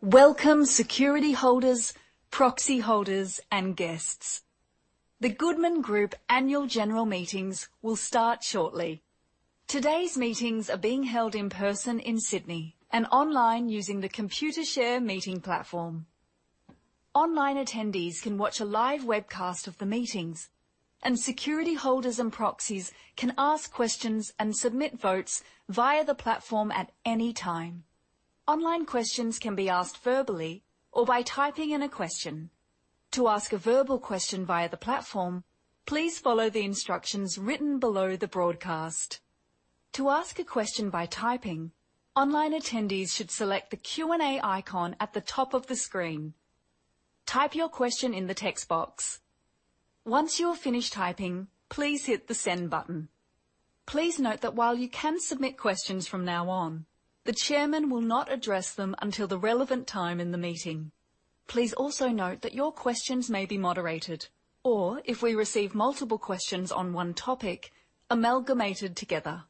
Welcome, security holders, proxy holders, and guests. The Goodman Group Annual General Meetings will start shortly. Today's meetings are being held in person in Sydney and online using the Computershare meeting platform. Online attendees can watch a live webcast of the meetings, and security holders and proxies can ask questions and submit votes via the platform at any time. Online questions can be asked verbally or by typing in a question. To ask a verbal question via the platform, please follow the instructions written below the broadcast. To ask a question by typing, online attendees should select the Q&A icon at the top of the screen. Type your question in the text box. Once you are finished typing, please hit the Send button. Please note that while you can submit questions from now on, the chairman will not address them until the relevant time in the meeting. Please also note that your questions may be moderated or, if we receive multiple questions on one topic, amalgamated together.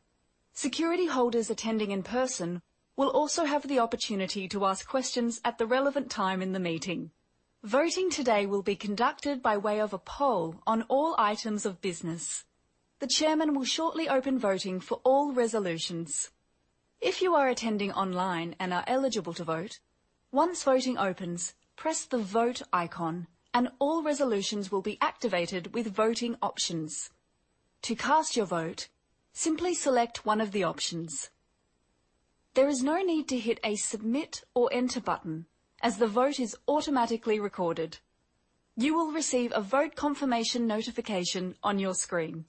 Security holders attending in person will also have the opportunity to ask questions at the relevant time in the meeting. Voting today will be conducted by way of a poll on all items of business. The chairman will shortly open voting for all resolutions. If you are attending online and are eligible to vote, once voting opens, press the Vote icon, and all resolutions will be activated with voting options. To cast your vote, simply select one of the options. There is no need to hit a Submit or Enter button, as the vote is automatically recorded. You will receive a vote confirmation notification on your screen.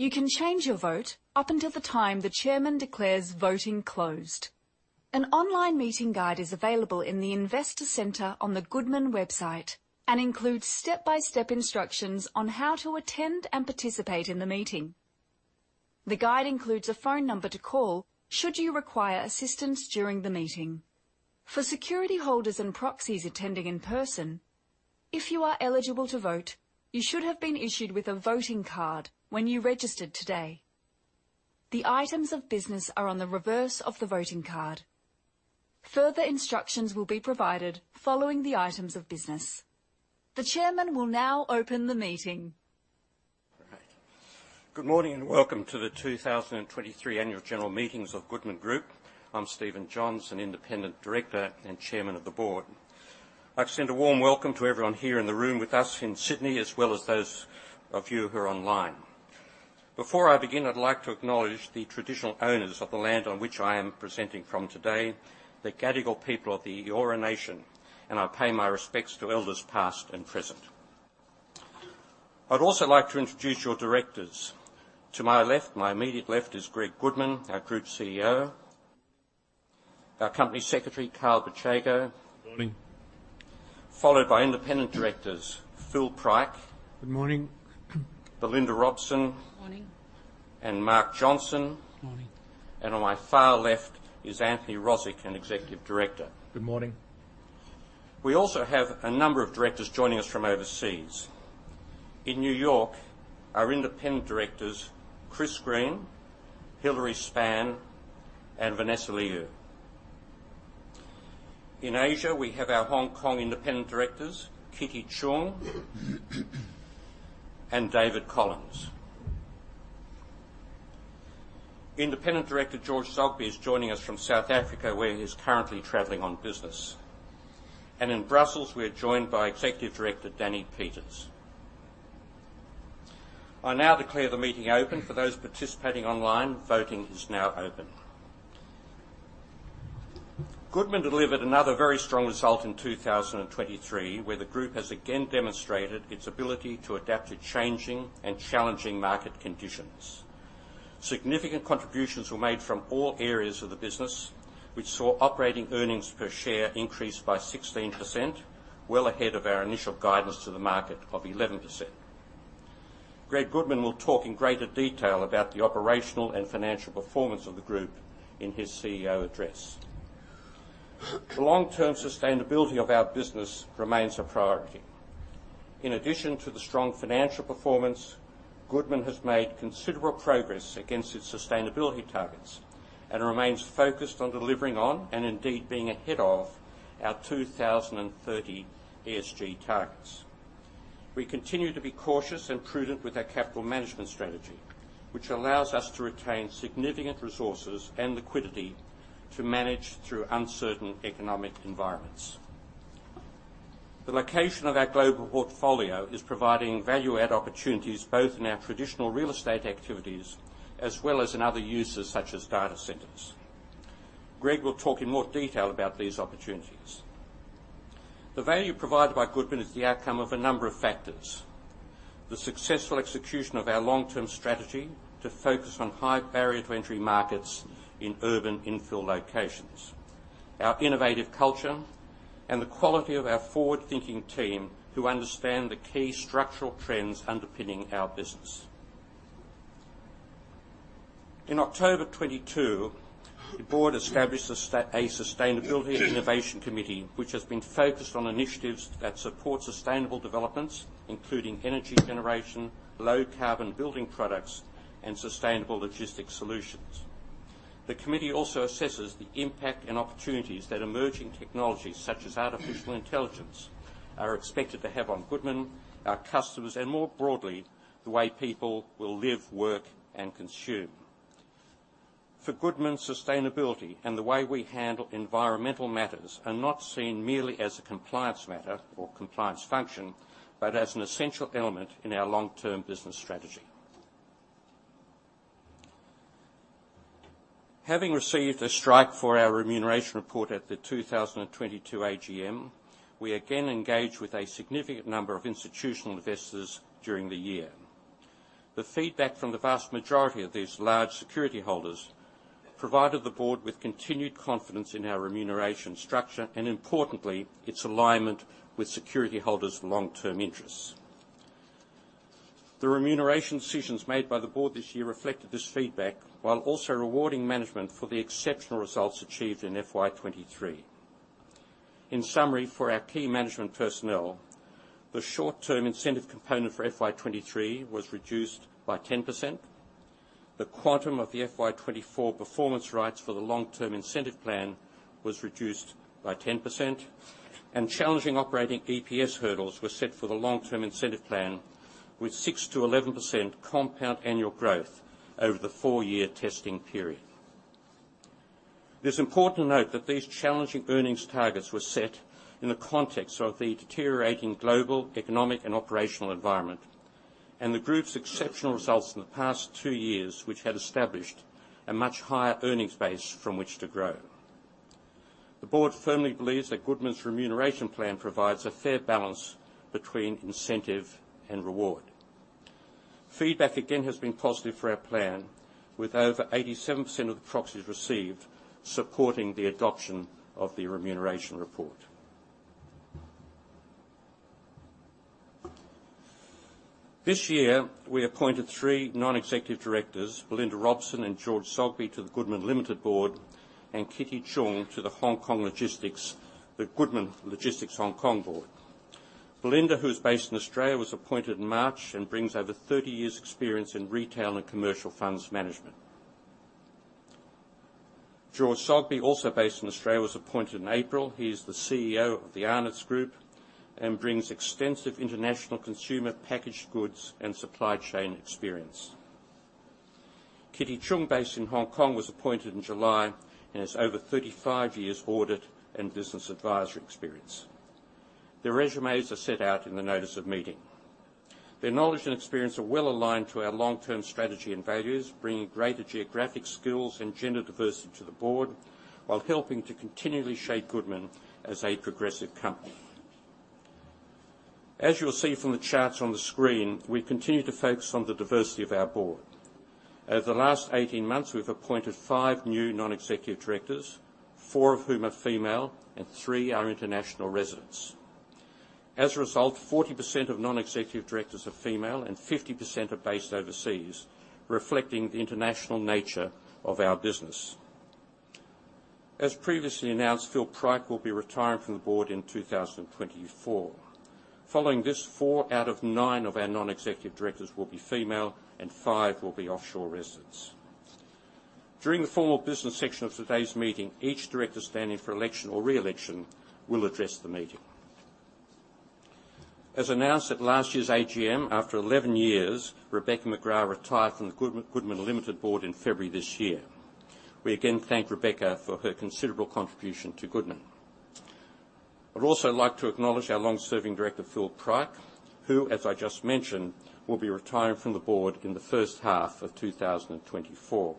You can change your vote up until the time the chairman declares voting closed. An online meeting guide is available in the Investor Centre on the Goodman website and includes step-by-step instructions on how to attend and participate in the meeting. The guide includes a phone number to call should you require assistance during the meeting. For security holders and proxies attending in person, if you are eligible to vote, you should have been issued with a voting card when you registered today. The items of business are on the reverse of the voting card. Further instructions will be provided following the items of business. The Chairman will now open the meeting. All right. Good morning, and welcome to the 2023 Annual General Meeting of Goodman Group. I'm Stephen Johns, an Independent Director and Chairman of the Board. I'd like to extend a warm welcome to everyone here in the room with us in Sydney, as well as those of you who are online. Before I begin, I'd like to acknowledge the traditional owners of the land on which I am presenting from today, the Gadigal people of the Eora Nation, and I pay my respects to elders, past and present. I'd also like to introduce your directors. To my left, my immediate left, is Greg Goodman, our Group CEO. Our Company Secretary, Carl Bicego. Morning. Followed by Independent Directors, Phil Pryke. Good morning. Belinda Robson. Morning. And Mark Johnson. Morning. On my far left is Anthony Rozic, an executive director. Good morning. We also have a number of directors joining us from overseas. In New York, our Independent Directors, Chris Green, Hilary Spann, and Vanessa Liu. In Asia, we have our Hong Kong Independent Directors, Kitty Chung and David Collins. Independent Director, George Zoghbi, is joining us from South Africa, where he is currently traveling on business. And in Brussels, we are joined by Executive Director Danny Peeters. I now declare the meeting open. For those participating online, voting is now open. Goodman delivered another very strong result in 2023, where the group has again demonstrated its ability to adapt to changing and challenging market conditions. Significant contributions were made from all areas of the business, which saw operating earnings per share increase by 16%, well ahead of our initial guidance to the market of 11%. Greg Goodman will talk in greater detail about the operational and financial performance of the group in his CEO address. The long-term sustainability of our business remains a priority. In addition to the strong financial performance, Goodman has made considerable progress against its sustainability targets and remains focused on delivering on, and indeed being ahead of, our 2030 ESG targets. We continue to be cautious and prudent with our capital management strategy, which allows us to retain significant resources and liquidity to manage through uncertain economic environments. The location of our global portfolio is providing value-add opportunities, both in our traditional real estate activities as well as in other uses, such as data centres. Greg will talk in more detail about these opportunities. The value provided by Goodman is the outcome of a number of factors: the successful execution of our long-term strategy to focus on high barrier to entry markets in urban infill locations, our innovative culture, and the quality of our forward-thinking team, who understand the key structural trends underpinning our business. In October 2022, the board established a Sustainability and Innovation Committee, which has been focused on initiatives that support sustainable developments, including energy generation, low-carbon building products, and sustainable logistics solutions. The committee also assesses the impact and opportunities that emerging technologies, such as artificial intelligence, are expected to have on Goodman, our customers, and more broadly, the way people will live, work, and consume. For Goodman, sustainability and the way we handle environmental matters are not seen merely as a compliance matter or compliance function, but as an essential element in our long-term business strategy. Having received a strike for our remuneration report at the 2022 AGM, we again engaged with a significant number of institutional investors during the year. The feedback from the vast majority of these large security holders provided the board with continued confidence in our remuneration structure, and importantly, its alignment with security holders' long-term interests. The remuneration decisions made by the board this year reflected this feedback, while also rewarding management for the exceptional results achieved in FY23. In summary, for our key management personnel, the short-term incentive component for FY23 was reduced by 10%. The quantum of the FY 2024 performance rights for the long-term incentive plan was reduced by 10%, and challenging operating EPS hurdles were set for the long-term incentive plan, with 6%-11% compound annual growth over the 4-year testing period. It is important to note that these challenging earnings targets were set in the context of the deteriorating global economic and operational environment, and the group's exceptional results in the past 2 years, which had established a much higher earnings base from which to grow. The board firmly believes that Goodman's remuneration plan provides a fair balance between incentive and reward. Feedback again has been positive for our plan, with over 87% of the proxies received supporting the adoption of the remuneration report. This year, we appointed three non-executive directors: Belinda Robson and George Zoghbi to the Goodman Limited Board, and Kitty Chung to the Hong Kong Logistics, the Goodman Logistics Hong Kong Board. Belinda, who is based in Australia, was appointed in March and brings over 30 years' experience in retail and commercial funds management. George Zoghbi, also based in Australia, was appointed in April. He is the CEO of The Arnott's Group and brings extensive international consumer packaged goods and supply chain experience. Kitty Chung, based in Hong Kong, was appointed in July, and has over 35 years' audit and business advisory experience. Their resumes are set out in the notice of meeting. Their knowledge and experience are well aligned to our long-term strategy and values, bringing greater geographic skills and gender diversity to the board, while helping to continually shape Goodman as a progressive company. As you will see from the charts on the screen, we continue to focus on the diversity of our board. Over the last 18 months, we've appointed 5 new non-executive directors, 4 of whom are female and 3 are international residents. As a result, 40% of non-executive directors are female and 50% are based overseas, reflecting the international nature of our business. As previously announced, Phil Pryke will be retiring from the board in 2024. Following this, 4 out of 9 of our non-executive directors will be female, and 5 will be offshore residents. During the formal business section of today's meeting, each director standing for election or re-election will address the meeting. As announced at last year's AGM, after 11 years, Rebecca McGrath retired from the Goodman, Goodman Limited Board in February this year. We again thank Rebecca for her considerable contribution to Goodman. I'd also like to acknowledge our long-serving director, Phil Pryke, who, as I just mentioned, will be retiring from the board in the first half of 2024.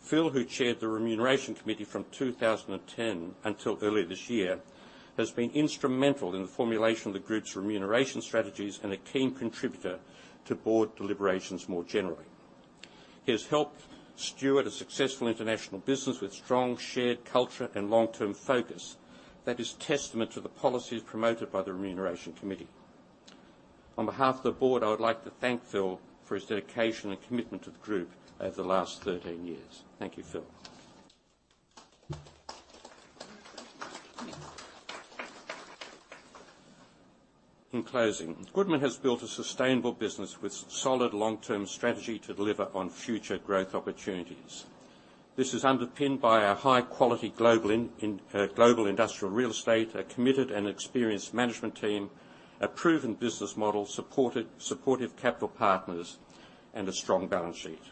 Phil, who chaired the Remuneration Committee from 2010 until earlier this year, has been instrumental in the formulation of the group's remuneration strategies and a keen contributor to board deliberations more generally. He has helped steward a successful international business with strong shared culture and long-term focus that is testament to the policies promoted by the Remuneration Committee. On behalf of the board, I would like to thank Phil for his dedication and commitment to the group over the last 13 years. Thank you, Phil. In closing, Goodman has built a sustainable business with solid long-term strategy to deliver on future growth opportunities. This is underpinned by our high-quality global Global industrial real estate, a committed and experienced management team, a proven business model, supportive capital partners, and a strong balance sheet.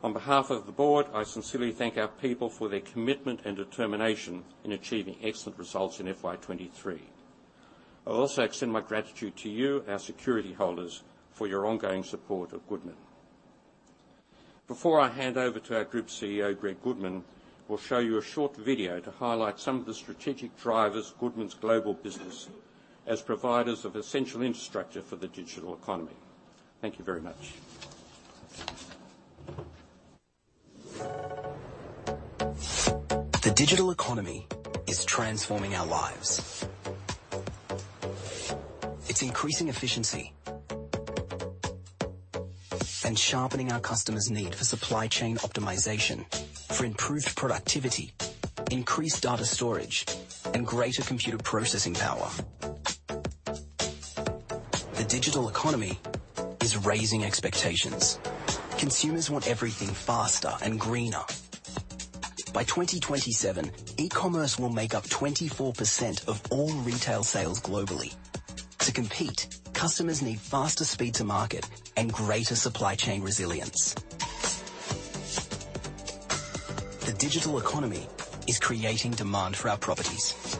On behalf of the board, I sincerely thank our people for their commitment and determination in achieving excellent results in FY23. I also extend my gratitude to you, our security holders, for your ongoing support of Goodman. Before I hand over to our Group CEO, Greg Goodman, we'll show you a short video to highlight some of the strategic drivers Goodman's global business as providers of essential infrastructure for the digital economy. Thank you very much. The digital economy is transforming our lives. It's increasing efficiency and sharpening our customers' need for supply chain optimization, for improved productivity, increased data storage, and greater computer processing power.... The digital economy is raising expectations. Consumers want everything faster and greener. By 2027, e-commerce will make up 24% of all retail sales globally. To compete, customers need faster speed to market and greater supply chain resilience. The digital economy is creating demand for our properties.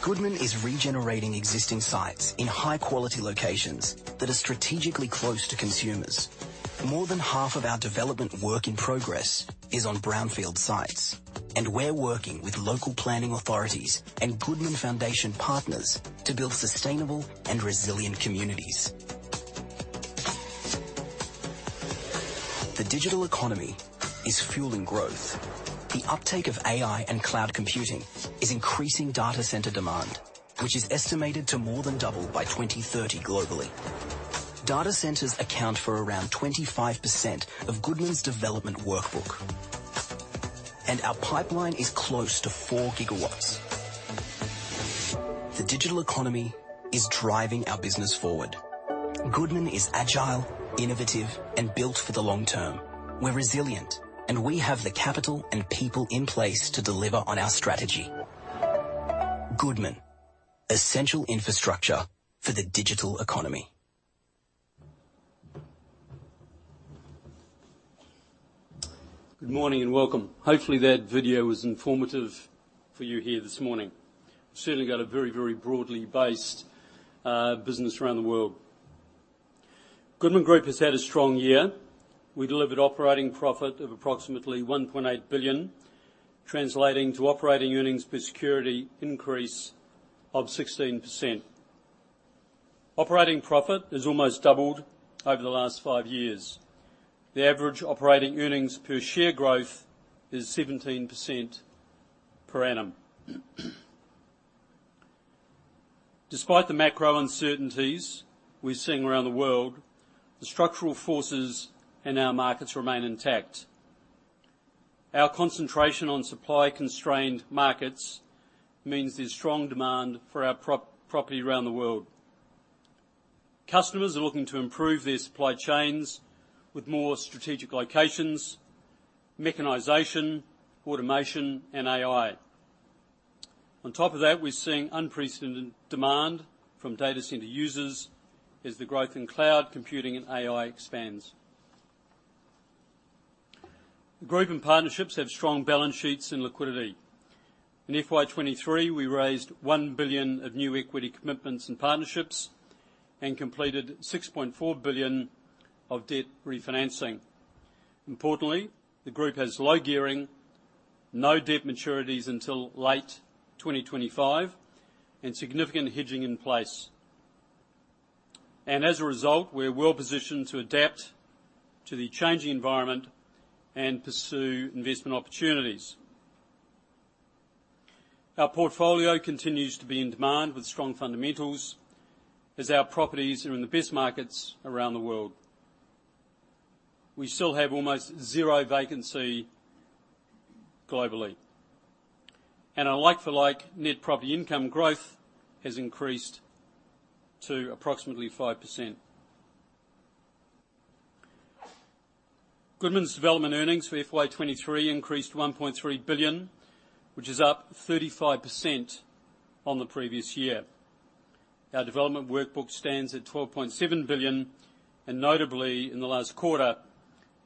Goodman is regenerating existing sites in high quality locations that are strategically close to consumers. More than half of our development work in progress is on brownfield sites, and we're working with local planning authorities and Goodman Foundation partners to build sustainable and resilient communities. The digital economy is fueling growth. The uptake of AI and cloud computing is increasing data centre demand, which is estimated to more than double by 2030 data centres account for around 25% of Goodman's development workbook, and our pipeline is close to 4 GW. The digital economy is driving our business forward. Goodman is agile, innovative, and built for the long term. We're resilient, and we have the capital and people in place to deliver on our strategy. Goodman: essential infrastructure for the digital economy. Good morning, and welcome. Hopefully, that video was informative for you here this morning. Certainly got a very, very broadly based business around the world. Goodman Group has had a strong year. We delivered operating profit of approximately 1.8 billion, translating to operating earnings per security increase of 16%. Operating profit has almost doubled over the last five years. The average operating earnings per share growth is 17% per annum. Despite the macro uncertainties we're seeing around the world, the structural forces in our markets remain intact. Our concentration on supply-constrained markets means there's strong demand for our property around the world. Customers are looking to improve their supply chains with more strategic locations, mechanization, automation, and AI. On top of that, we're seeing unprecedented demand from data centre users as the growth in cloud computing and AI expands. The group and partnerships have strong balance sheets and liquidity. In FY 2023, we raised 1 billion of new equity commitments and partnerships and completed 6.4 billion of debt refinancing. Importantly, the group has low gearing, no debt maturities until late 2025, and significant hedging in place. And as a result, we're well positioned to adapt to the changing environment and pursue investment opportunities. Our portfolio continues to be in demand with strong fundamentals as our properties are in the best markets around the world. We still have almost zero vacancy globally, and our like-for-like net property income growth has increased to approximately 5%. Goodman's development earnings for FY 2023 increased to 1.3 billion, which is up 35% on the previous year. Our development workbook stands at 12.7 billion, and notably in the last quarter,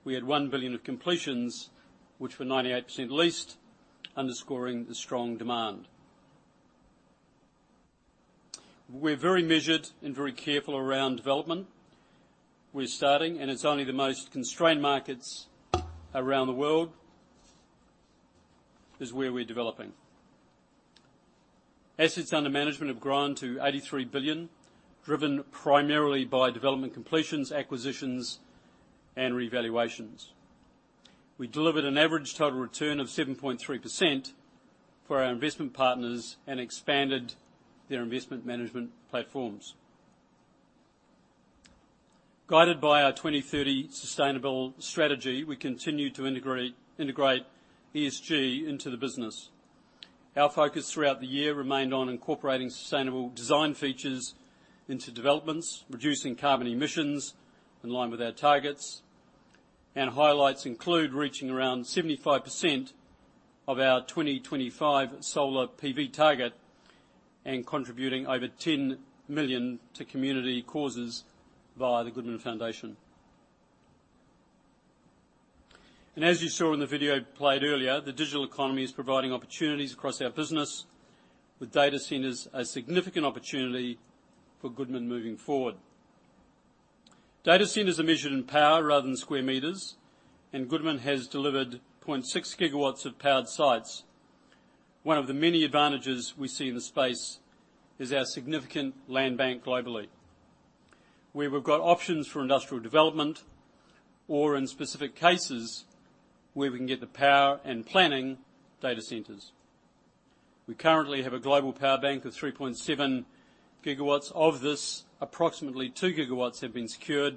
we had 1 billion of completions, which were 98% leased, underscoring the strong demand. We're very measured and very careful around development. We're starting, and it's only the most constrained markets around the world is where we're developing. Assets under management have grown to AUD 83 billion, driven primarily by development completions, acquisitions, and revaluations. We delivered an average total return of 7.3% for our investment partners and expanded their investment management platforms. Guided by our 2030 sustainable strategy, we continue to integrate, integrate ESG into the business. Our focus throughout the year remained on incorporating sustainable design features into developments, reducing carbon emissions in line with our targets, and highlights include reaching around 75% of our 2025 solar PV target and contributing over 10 million to community causes via the Goodman Foundation. As you saw in the video played earlier, the digital economy is providing opportunities across our business, data centres a significant opportunity for Goodman moving forward, data centres are measured in power rather than square meters, and Goodman has delivered 0.6 GW of powered sites. One of the many advantages we see in the space is our significant land bank globally, where we've got options for industrial development or in specific cases, where we can get the power and planning data centres. We currently have a global power bank of 3.7 GW. Of this, approximately 2 gigawatts have been secured,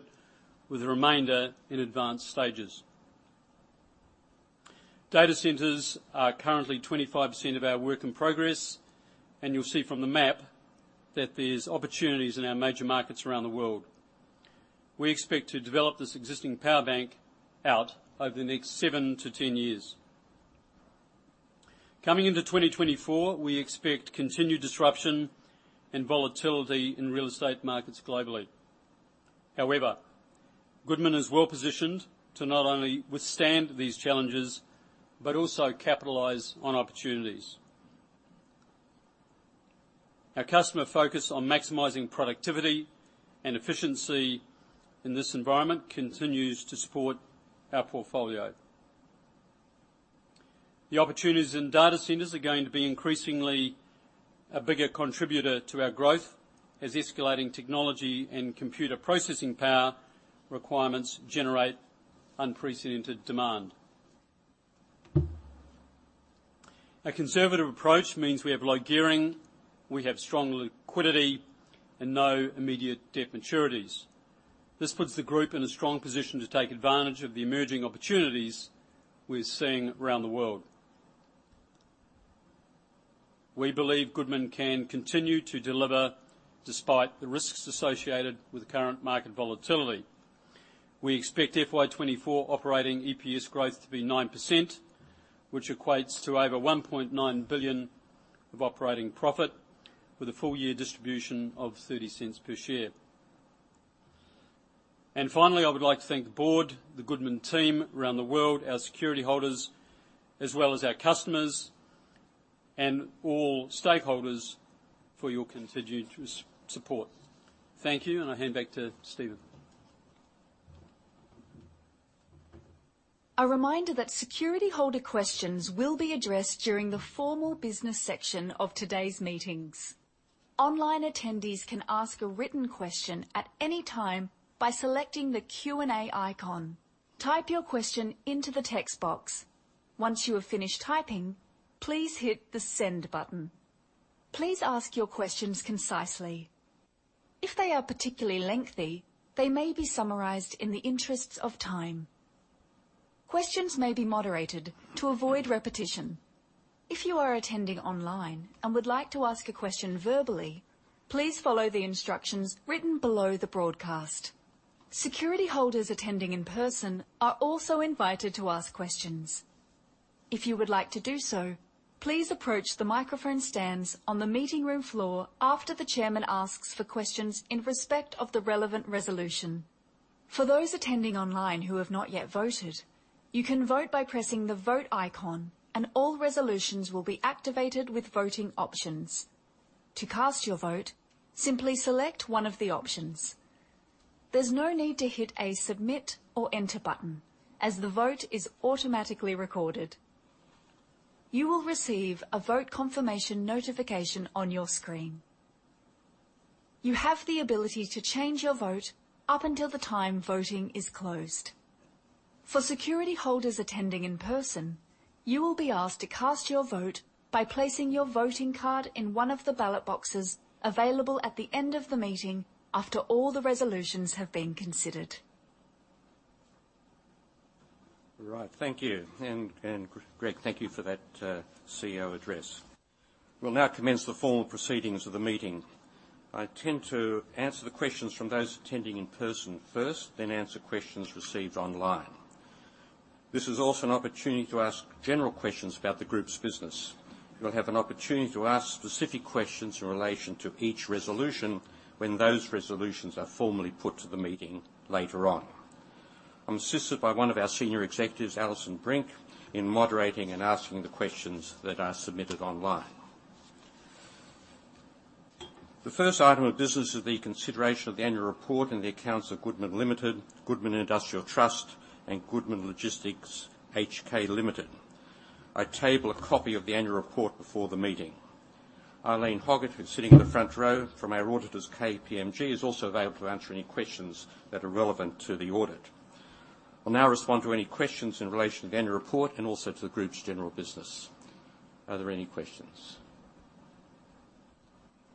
with the remainder in advanced stages. Data centres are currently 25% of our work in progress, and you'll see from the map that there's opportunities in our major markets around the world. We expect to develop this existing power bank out over the next 7-10 years. Coming into 2024, we expect continued disruption and volatility in real estate markets globally. However, Goodman is well positioned to not only withstand these challenges, but also capitalize on opportunities. Our customer focus on maximizing productivity and efficiency in this environment continues to support our portfolio. The opportunities in data centres are going to be increasingly a bigger contributor to our growth, as escalating technology and computer processing power requirements generate unprecedented demand. A conservative approach means we have low gearing, we have strong liquidity, and no immediate debt maturities. This puts the group in a strong position to take advantage of the emerging opportunities we're seeing around the world. We believe Goodman can continue to deliver despite the risks associated with the current market volatility. We expect FY 2024 operating EPS growth to be 9%, which equates to over 1.9 billion of operating profit, with a full year distribution of 0.30 per share. Finally, I would like to thank the board, the Goodman team around the world, our security holders, as well as our customers and all stakeholders for your continued support. Thank you, and I hand back to Stephen. A reminder that security holder questions will be addressed during the formal business section of today's meetings. Online attendees can ask a written question at any time by selecting the Q&A icon. Type your question into the text box. Once you have finished typing, please hit the Send button. Please ask your questions concisely. If they are particularly lengthy, they may be summarized in the interests of time. Questions may be moderated to avoid repetition. If you are attending online and would like to ask a question verbally, please follow the instructions written below the broadcast. Security holders attending in person are also invited to ask questions. If you would like to do so, please approach the microphone stands on the meeting room floor after the chairman asks for questions in respect of the relevant resolution. For those attending online who have not yet voted, you can vote by pressing the Vote icon, and all resolutions will be activated with voting options. To cast your vote, simply select one of the options. There's no need to hit a Submit or Enter button, as the vote is automatically recorded. You will receive a vote confirmation notification on your screen. You have the ability to change your vote up until the time voting is closed. For security holders attending in person, you will be asked to cast your vote by placing your voting card in one of the ballot boxes available at the end of the meeting after all the resolutions have been considered. All right, thank you. And, and Greg, thank you for that, CEO address. We'll now commence the formal proceedings of the meeting. I intend to answer the questions from those attending in person first, then answer questions received online. This is also an opportunity to ask general questions about the group's business. You'll have an opportunity to ask specific questions in relation to each resolution when those resolutions are formally put to the meeting later on. I'm assisted by one of our senior executives, Alison Brink, in moderating and asking the questions that are submitted online. The first item of business is the consideration of the annual report and the accounts of Goodman Limited, Goodman Industrial Trust, and Goodman Logistics (HK) Limited. I table a copy of the annual report before the meeting. Eileen Hoggett, who's sitting in the front row from our auditors, KPMG, is also available to answer any questions that are relevant to the audit. We'll now respond to any questions in relation to the annual report and also to the group's general business. Are there any questions?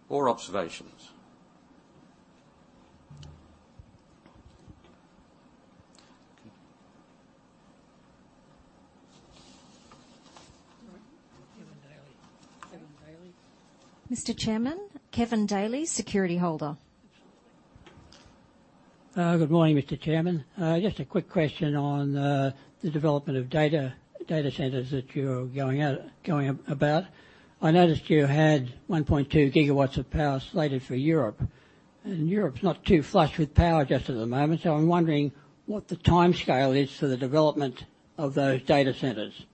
Or observations? Kevin Daly. Kevin Daly. Mr. Chairman, Kevin Daly, security holder. Good morning, Mr. Chairman. Just a quick question on the development of data centres that you're going about. I noticed you had 1.2 GW of power slated for Europe, and Europe's not too flushed with power just at the moment, so I'm wondering what the timescale is for the development of those data centres.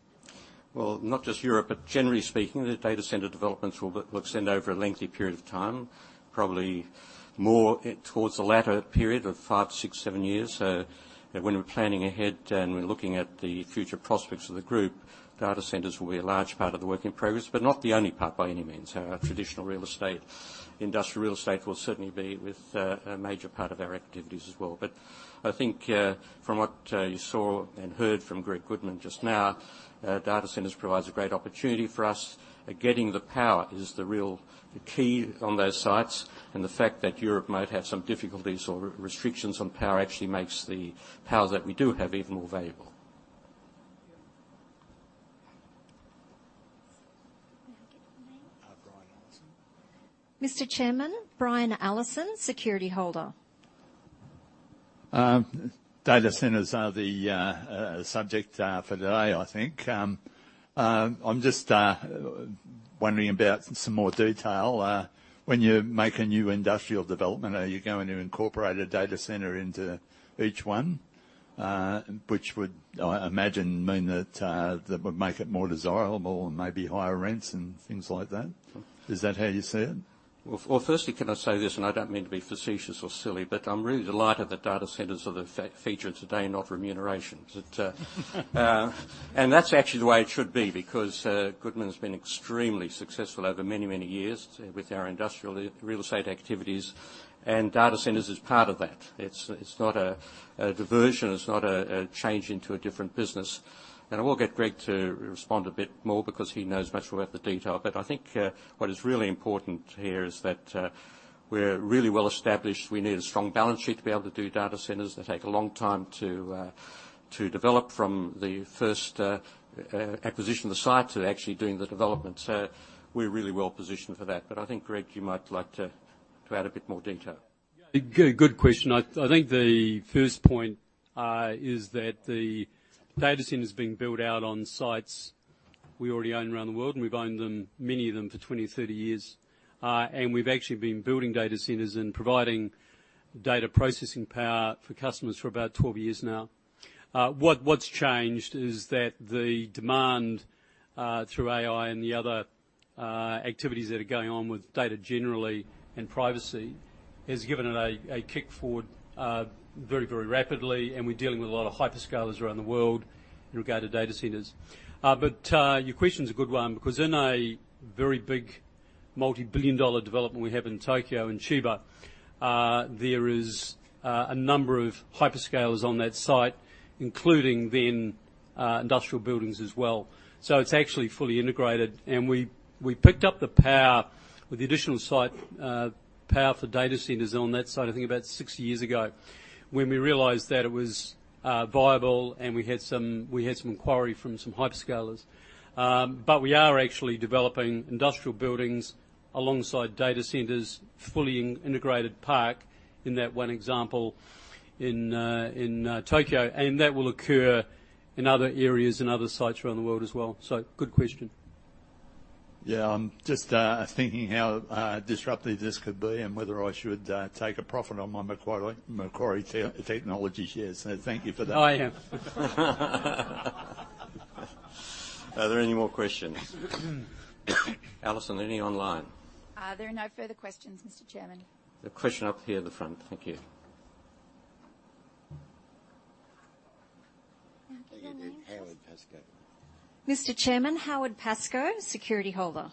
Well, not just Europe, but generally speaking, the data centre developments will extend over a lengthy period of time, probably more towards the latter period of five, six, seven years. So when we're planning ahead and we're looking at the future prospects of the group, data centres will be a large part of the work in progress, but not the only part by any means. Our traditional real estate, industrial real estate, will certainly be with a major part of our activities as well. But I think, from what you saw and heard from Greg Goodman just now, data centres provides a great opportunity for us. Getting the power is the real key on those sites, and the fact that Europe might have some difficulties or restrictions on power actually makes the power that we do have even more valuable.... Mr. Chairman, Brian Allison, security holder. data centres are the subject for today, I think. I'm just wondering about some more detail. When you make a new industrial development, are you going to incorporate a data centre into each one? Which would, I imagine, mean that that would make it more desirable and maybe higher rents and things like that. Is that how you see it? Well, well, firstly, can I say this, and I don't mean to be facetious or silly, but I'm really delighted that data centres are the feature today, not remuneration. But, and that's actually the way it should be, because, Goodman has been extremely successful over many, many years with our industrial real estate activities, and data centres is part of that. It's, it's not a, a diversion, it's not a, a change into a different business. And I will get Greg to respond a bit more because he knows much more about the detail. But I think, what is really important here is that, we're really well established. We need a strong balance sheet to be able to do data centres. They take a long time to, to develop from the first, acquisition of the site to actually doing the development. So we're really well positioned for that. But I think, Greg, you might like to add a bit more detail. Yeah, good, good question. I, I think the first point is that the data centre is being built out on sites we already own around the world, and we've owned them, many of them, for 20, 30 years. And we've actually been building data centres and providing data processing power for customers for about 12 years now. What, what's changed is that the demand through AI and the other activities that are going on with data generally and privacy, has given it a, a kick forward very, very rapidly, and we're dealing with a lot of hyperscalers around the world in regard to data centres. But your question is a good one, because in a very big multibillion-dollar development we have in Tokyo and Chiba, there is a number of hyperscalers on that site, including then industrial buildings as well. So it's actually fully integrated, and we picked up the power with the additional site power for data centres on that site, I think about six years ago, when we realized that it was viable and we had some inquiry from some hyperscalers. But we are actually developing industrial buildings alongside data centres, fully integrated park in that one example in Tokyo, and that will occur in other areas and other sites around the world as well. So good question. Yeah, I'm just thinking how disruptive this could be and whether I should take a profit on my Macquarie Technology shares, so thank you for that. Oh, yeah. Are there any more questions? Alison, any online? There are no further questions, Mr. Chairman. A question up here at the front. Thank you. Can I get your name, please? Howard Pascoe. Mr. Chairman, Howard Pascoe, security holder.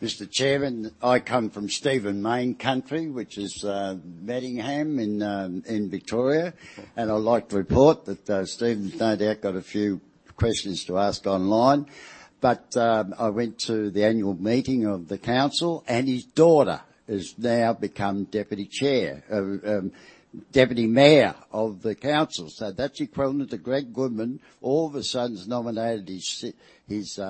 Mr. Chairman, I come from Stephen Mayne country, which is Manningham in Victoria. And I'd like to report that Stephen no doubt got a few questions to ask online. But I went to the annual meeting of the council, and his daughter has now become deputy chair, deputy mayor of the council. So that's equivalent to Greg Goodman, all of a sudden, has nominated his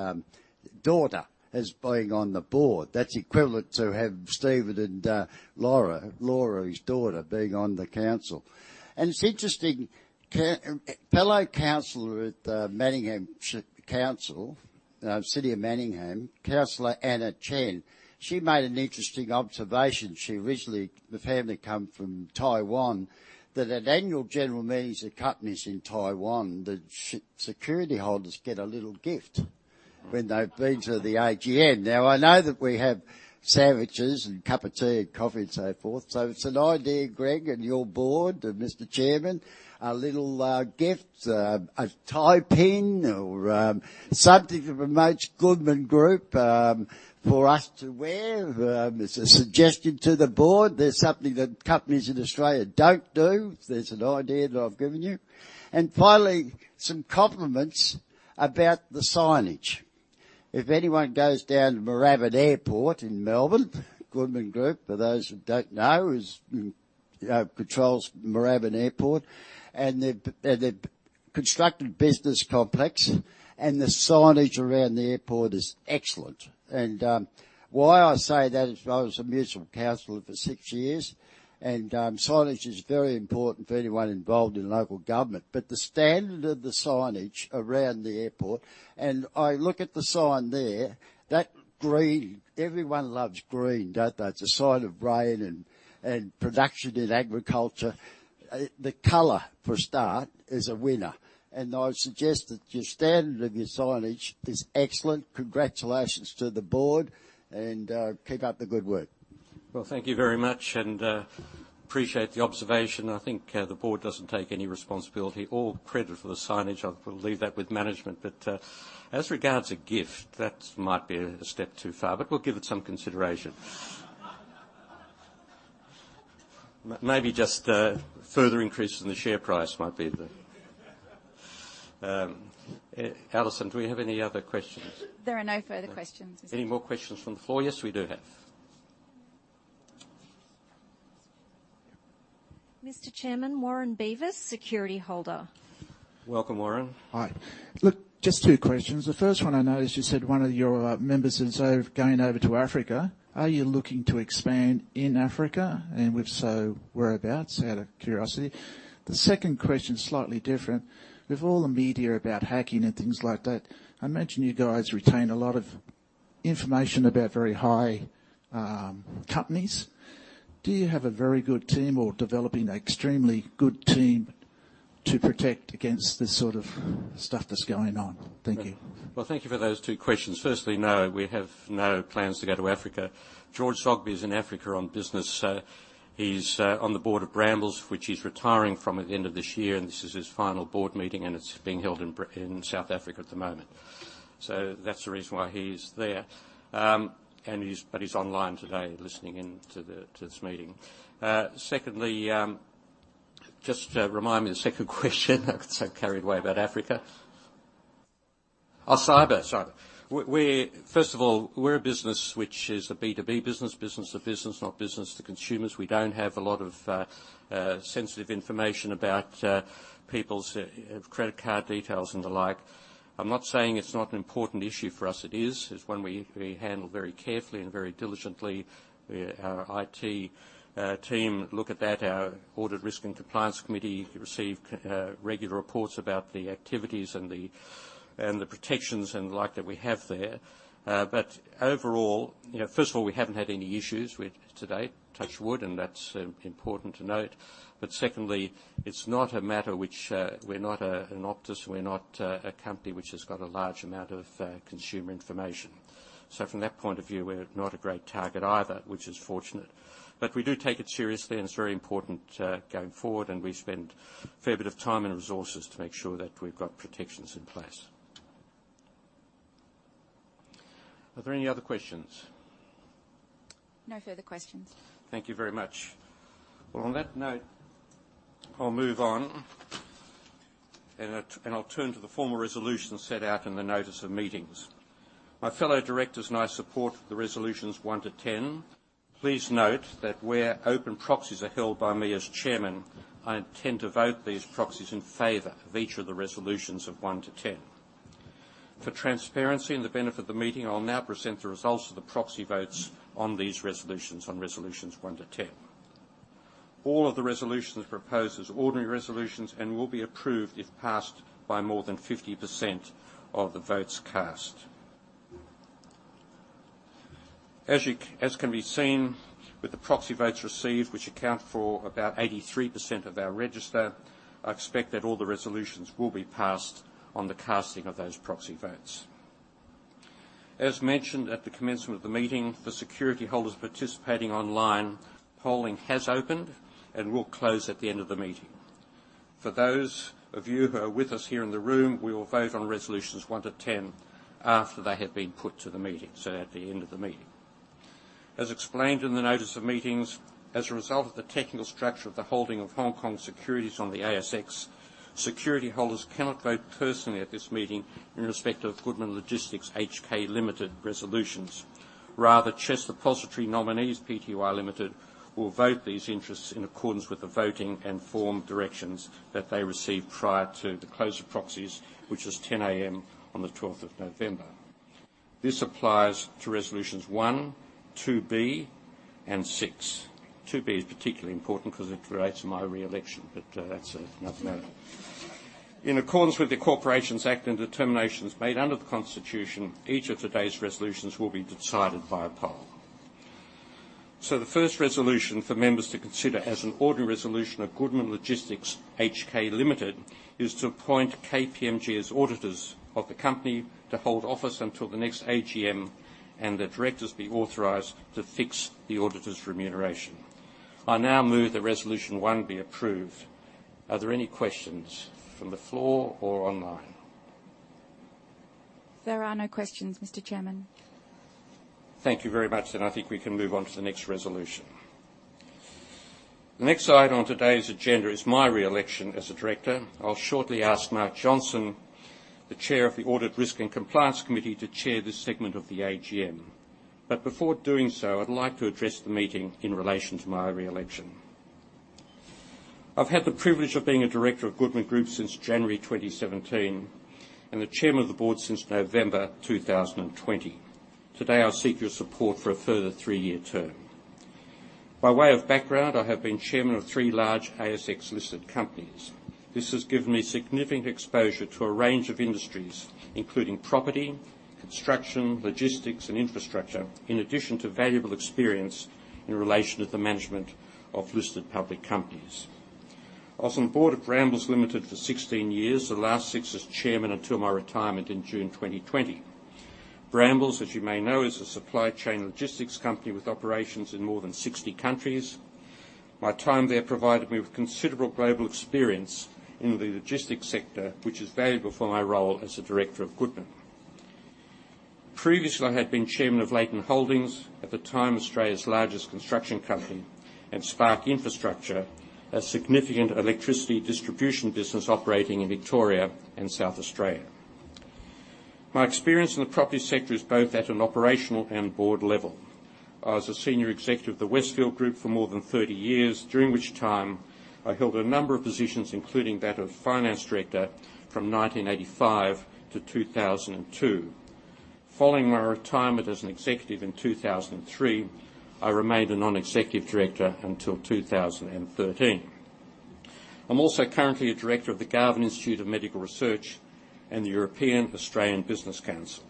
daughter as being on the board. That's equivalent to have Stephen and Laura, his daughter, being on the council. And it's interesting. Fellow councilor with Manningham Council, City of Manningham, Councilor Anna Chen, she made an interesting observation. She originally, the family come from Taiwan, that at annual general meetings of companies in Taiwan, the security holders get a little gift when they've been to the AGM. Now, I know that we have sandwiches and a cup of tea and coffee and so forth, so it's an idea, Greg, and your board, and Mr. Chairman, a little gift, a tie pin or something that promotes Goodman Group for us to wear. It's a suggestion to the board. There's something that companies in Australia don't do. There's an idea that I've given you. And finally, some compliments about the signage. If anyone goes down to Moorabbin Airport in Melbourne, Goodman Group, for those who don't know, controls Moorabbin Airport, and they've constructed a business complex, and the signage around the airport is excellent. And why I say that is I was a municipal councilor for six years, and signage is very important for anyone involved in local government. But the standard of the signage around the airport, and I look at the sign there, that green, everyone loves green, don't they? It's a sign of rain and production in agriculture. The color, for a start, is a winner, and I suggest that the standard of your signage is excellent. Congratulations to the board, and keep up the good work. Well, thank you very much, and appreciate the observation. I think the board doesn't take any responsibility or credit for the signage. I'll leave that with management. But as regards a gift, that might be a step too far, but we'll give it some consideration. Maybe just further increases in the share price might be. Alison, do we have any other questions? There are no further questions. Any more questions from the floor? Yes, we do have.... Mr. Chairman, Warren Davis, security holder. Welcome, Warren. Hi. Look, just two questions. The first one I know is you said one of your members is over, going over to Africa. Are you looking to expand in Africa, and if so, whereabouts, out of curiosity? The second question is slightly different. With all the media about hacking and things like that, I imagine you guys retain a lot of information about very high-profile companies. Do you have a very good team or developing an extremely good team to protect against this sort of stuff that's going on? Thank you. Well, thank you for those two questions. Firstly, no, we have no plans to go to Africa. George Zoghbi is in Africa on business, so he's on the board of Brambles, which he's retiring from at the end of this year, and this is his final board meeting, and it's being held in South Africa at the moment. So that's the reason why he's there. And he's but he's online today, listening in to this meeting. Secondly, just remind me of the second question. I got so carried away about Africa. Oh, cyber. Sorry. We first of all, we're a business which is a B2B business, business to business, not business to consumers. We don't have a lot of sensitive information about people's credit card details and the like. I'm not saying it's not an important issue for us. It is. It's one we, we handle very carefully and very diligently. We, our IT team look at that. Our Audit, Risk and Compliance Committee receive regular reports about the activities and the, and the protections and the like that we have there. But overall, you know, first of all, we haven't had any issues with to date, touch wood, and that's important to note. But secondly, it's not a matter which, we're not an Optus, we're not a company which has got a large amount of consumer information. So from that point of view, we're not a great target either, which is fortunate. But we do take it seriously, and it's very important going forward, and we spend a fair bit of time and resources to make sure that we've got protections in place. Are there any other questions? No further questions. Thank you very much. Well, on that note, I'll move on, and I, and I'll turn to the formal resolutions set out in the notice of meetings. My fellow directors and I support the resolutions 1-10. Please note that where open proxies are held by me as chairman, I intend to vote these proxies in favor of each of the resolutions of 1-10. For transparency and the benefit of the meeting, I'll now present the results of the proxy votes on these resolutions, on resolutions 1-10. All of the resolutions proposed as ordinary resolutions and will be approved if passed by more than 50% of the votes cast. As can be seen, with the proxy votes received, which account for about 83% of our register, I expect that all the resolutions will be passed on the casting of those proxy votes. As mentioned at the commencement of the meeting, for security holders participating online, polling has opened and will close at the end of the meeting. For those of you who are with us here in the room, we will vote on resolutions 1 to 10 after they have been put to the meeting, so at the end of the meeting. As explained in the notice of meetings, as a result of the technical structure of the holding of Hong Kong securities on the ASX, security holders cannot vote personally at this meeting in respect of Goodman Logistics (HK) Limited resolutions. Rather, CHESS Depositary Nominees Pty Limited will vote these interests in accordance with the voting and form directions that they received prior to the close of proxies, which was 10:00 A.M. on the 12th of November. This applies to resolutions 1, 2B, and 6. 2B is particularly important because it relates to my re-election, but that's another matter. In accordance with the Corporations Act and determinations made under the Constitution, each of today's resolutions will be decided via poll. The first resolution for members to consider as an ordinary resolution of Goodman Logistics (HK) Limited is to appoint KPMG as auditors of the company to hold office until the next AGM and the directors be authorized to fix the auditors' remuneration. I now move that resolution 1 be approved. Are there any questions from the floor or online? There are no questions, Mr. Chairman. Thank you very much. I think we can move on to the next resolution. The next item on today's agenda is my re-election as a director. I'll shortly ask Mark Johnson, the Chair of the Audit, Risk and Compliance Committee, to chair this segment of the AGM. But before doing so, I'd like to address the meeting in relation to my re-election. I've had the privilege of being a director of Goodman Group since January 2017, and the Chairman of the Board since November 2020. Today, I seek your support for a further three-year term. By way of background, I have been Chairman of three large ASX-listed companies. This has given me significant exposure to a range of industries, including property, construction, logistics, and infrastructure, in addition to valuable experience in relation to the management of listed public companies. I was on the board of Brambles Limited for 16 years, the last 6 as chairman until my retirement in June 2020. Brambles, as you may know, is a supply chain logistics company with operations in more than 60 countries. My time there provided me with considerable global experience in the logistics sector, which is valuable for my role as a director of Goodman. Previously, I had been chairman of Leighton Holdings, at the time, Australia's largest construction company, and Spark Infrastructure, a significant electricity distribution business operating in Victoria and South Australia....My experience in the property sector is both at an operational and board level. I was a senior executive of the Westfield Group for more than 30 years, during which time I held a number of positions, including that of finance director from 1985 to 2002. Following my retirement as an executive in 2003, I remained a non-executive director until 2013. I'm also currently a director of the Garvan Institute of Medical Research and the European Australian Business Council.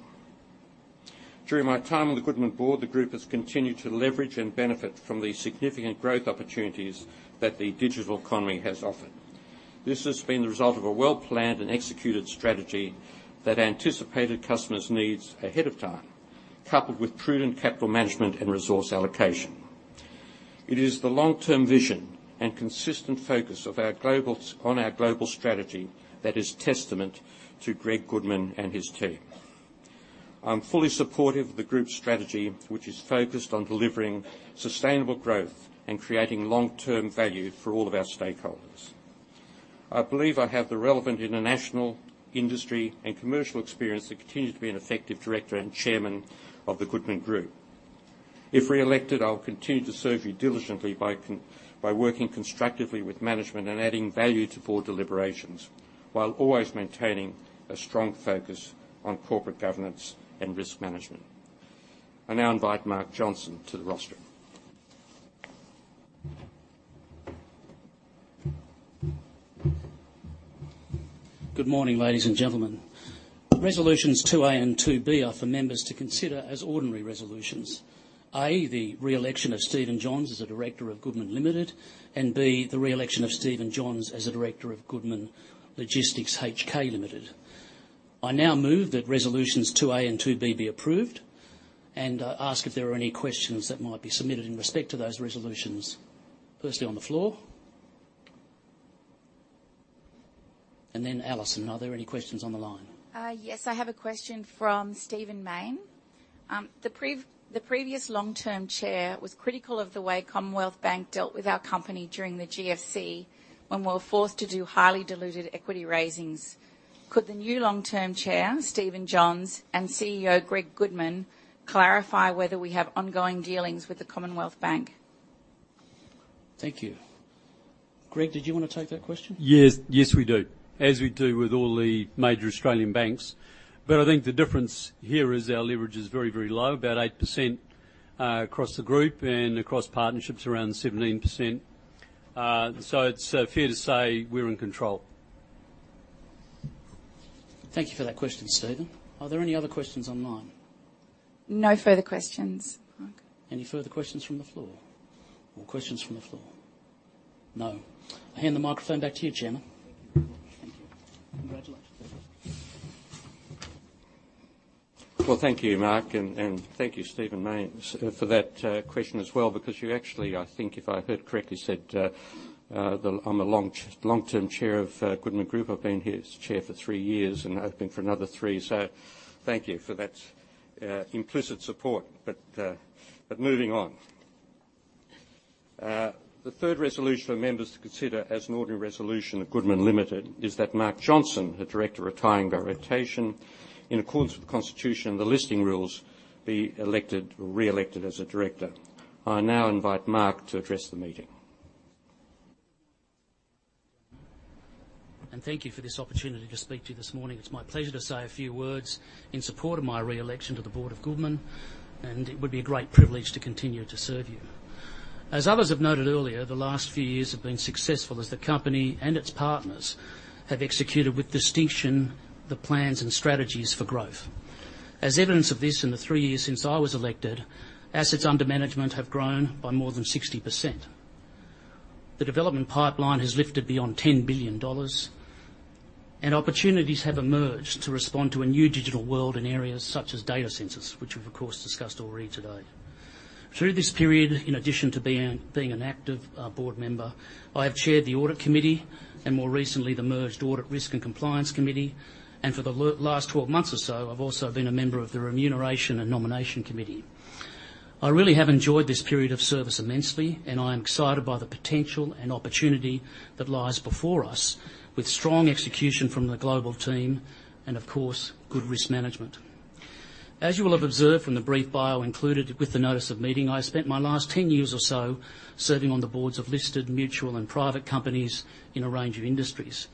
During my time on the Goodman board, the group has continued to leverage and benefit from the significant growth opportunities that the digital economy has offered. This has been the result of a well-planned and executed strategy that anticipated customers' needs ahead of time, coupled with prudent capital management and resource allocation. It is the long-term vision and consistent focus on our global strategy that is testament to Greg Goodman and his team. I'm fully supportive of the group's strategy, which is focused on delivering sustainable growth and creating long-term value for all of our stakeholders. I believe I have the relevant international industry and commercial experience that continue to be an effective director and chairman of the Goodman Group. If reelected, I'll continue to serve you diligently by working constructively with management and adding value to board deliberations, while always maintaining a strong focus on corporate governance and risk management. I now invite Mark Johnson to the rostrum. Good morning, ladies and gentlemen. Resolutions 2 A and 2 B are for members to consider as ordinary resolutions. A, the re-election of Stephen Johns as a director of Goodman Limited, and B, the re-election of Stephen Johns as a director of Goodman Logistics (HK) Limited. I now move that resolutions 2 A and 2 B be approved, and ask if there are any questions that might be submitted in respect to those resolutions. Firstly, on the floor. And then, Alison, are there any questions on the line? Yes, I have a question from Stephen Mayne. The previous long-term chair was critical of the way Commonwealth Bank dealt with our company during the GFC, when we were forced to do highly diluted equity raisings. Could the new long-term chair, Stephen Johns, and CEO, Greg Goodman, clarify whether we have ongoing dealings with the Commonwealth Bank? Thank you. Greg, did you want to take that question? Yes. Yes, we do, as we do with all the major Australian banks. But I think the difference here is our leverage is very, very low, about 8%, across the group and across partnerships, around 17%. So it's fair to say we're in control. Thank you for that question, Stephen. Are there any other questions on the line? No further questions, Mark. Any further questions from the floor? Or questions from the floor? No. I hand the microphone back to you, Chairman. Thank you. Congratulations. Well, thank you, Mark, and thank you, Stephen Mayne, for that question as well, because you actually, I think, if I heard correctly, said that I'm a long, long-term chair of Goodman Group. I've been here as the chair for three years, and I hope for another three, so thank you for that implicit support. But moving on. The third resolution for members to consider as an ordinary resolution of Goodman Limited is that Mark Johnson, a director retiring by rotation, in accordance with the Constitution and the listing rules, be elected or reelected as a director. I now invite Mark to address the meeting. Thank you for this opportunity to speak to you this morning. It's my pleasure to say a few words in support of my reelection to the board of Goodman, and it would be a great privilege to continue to serve you. As others have noted earlier, the last few years have been successful as the company and its partners have executed with distinction the plans and strategies for growth. As evidence of this, in the three years since I was elected, assets under management have grown by more than 60%. The development pipeline has lifted beyond 10 billion dollars, and opportunities have emerged to respond to a new digital world in areas such as data centres, which we've of course discussed already today. Through this period, in addition to being an active board member, I have chaired the Audit Committee and more recently, the merged Audit, Risk and Compliance Committee, and for the last 12 months or so, I've also been a member of the Remuneration and Nomination Committee. I really have enjoyed this period of service immensely, and I am excited by the potential and opportunity that lies before us with strong execution from the global team and, of course, good risk management. As you will have observed from the brief bio included with the notice of meeting, I spent my last 10 years or so serving on the boards of listed mutual and private companies in a range of industries.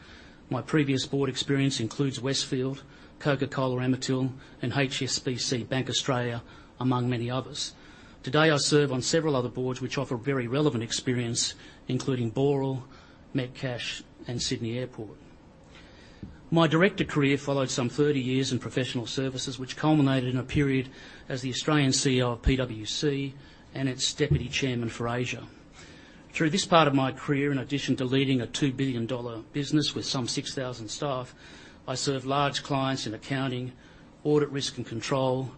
My previous board experience includes Westfield, Coca-Cola Amatil, and HSBC Bank Australia, among many others. Today, I serve on several other boards which offer very relevant experience, including Boral, Metcash, and Sydney Airport. My director career followed some 30 years in professional services, which culminated in a period as the Australian CEO of PwC and its Deputy Chairman for Asia. Through this part of my career, in addition to leading a 2 billion dollar business with some 6,000 staff, I served large clients in accounting, audit, risk, and control,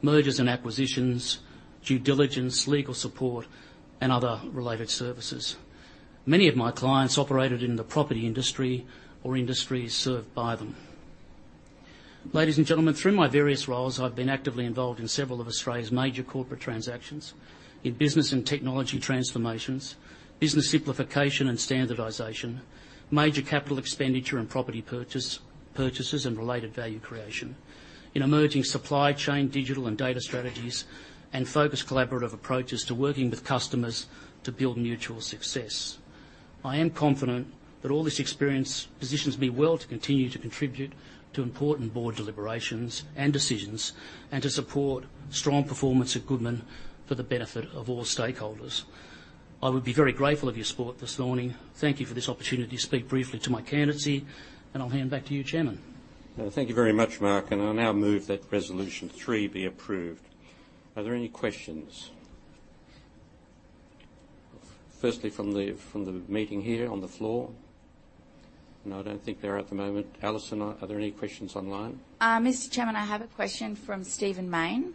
mergers and acquisitions, due diligence, legal support, and other related services. Many of my clients operated in the property industry or industries served by them.... Ladies and gentlemen, through my various roles, I've been actively involved in several of Australia's major corporate transactions in business and technology transformations, business simplification and standardization, major capital expenditure and property purchase, purchases and related value creation, in emerging supply chain, digital and data strategies, and focused collaborative approaches to working with customers to build mutual success. I am confident that all this experience positions me well to continue to contribute to important board deliberations and decisions, and to support strong performance at Goodman for the benefit of all stakeholders. I would be very grateful of your support this morning. Thank you for this opportunity to speak briefly to my candidacy, and I'll hand back to you, Chairman. Thank you very much, Mark, and I now move that Resolution Three be approved. Are there any questions? Firstly, from the meeting here on the floor? No, I don't think there are at the moment. Alison, are there any questions online? Mr. Chairman, I have a question from Stephen Mayne.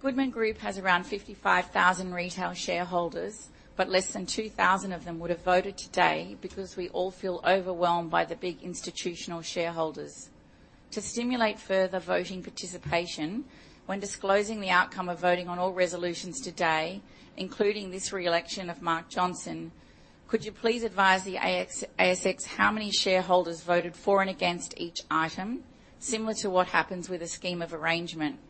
"Goodman Group has around 55,000 retail shareholders, but less than 2,000 of them would have voted today because we all feel overwhelmed by the big institutional shareholders. To stimulate further voting participation, when disclosing the outcome of voting on all resolutions today, including this re-election of Mark Johnson, could you please advise the ASX how many shareholders voted for and against each item, similar to what happens with a scheme of arrangement?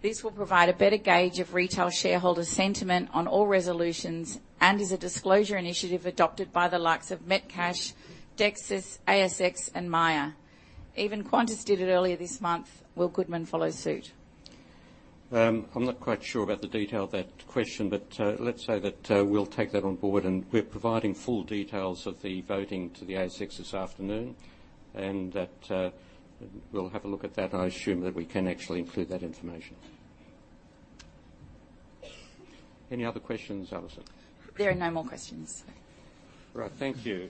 This will provide a better gauge of retail shareholder sentiment on all resolutions and is a disclosure initiative adopted by the likes of Metcash, Dexus, ASX, and Myer. Even Qantas did it earlier this month. Will Goodman follow suit? I'm not quite sure about the detail of that question, but, let's say that, we'll take that on board, and we're providing full details of the voting to the ASX this afternoon, and that, we'll have a look at that, and I assume that we can actually include that information. Any other questions, Alison? There are no more questions. Right. Thank you.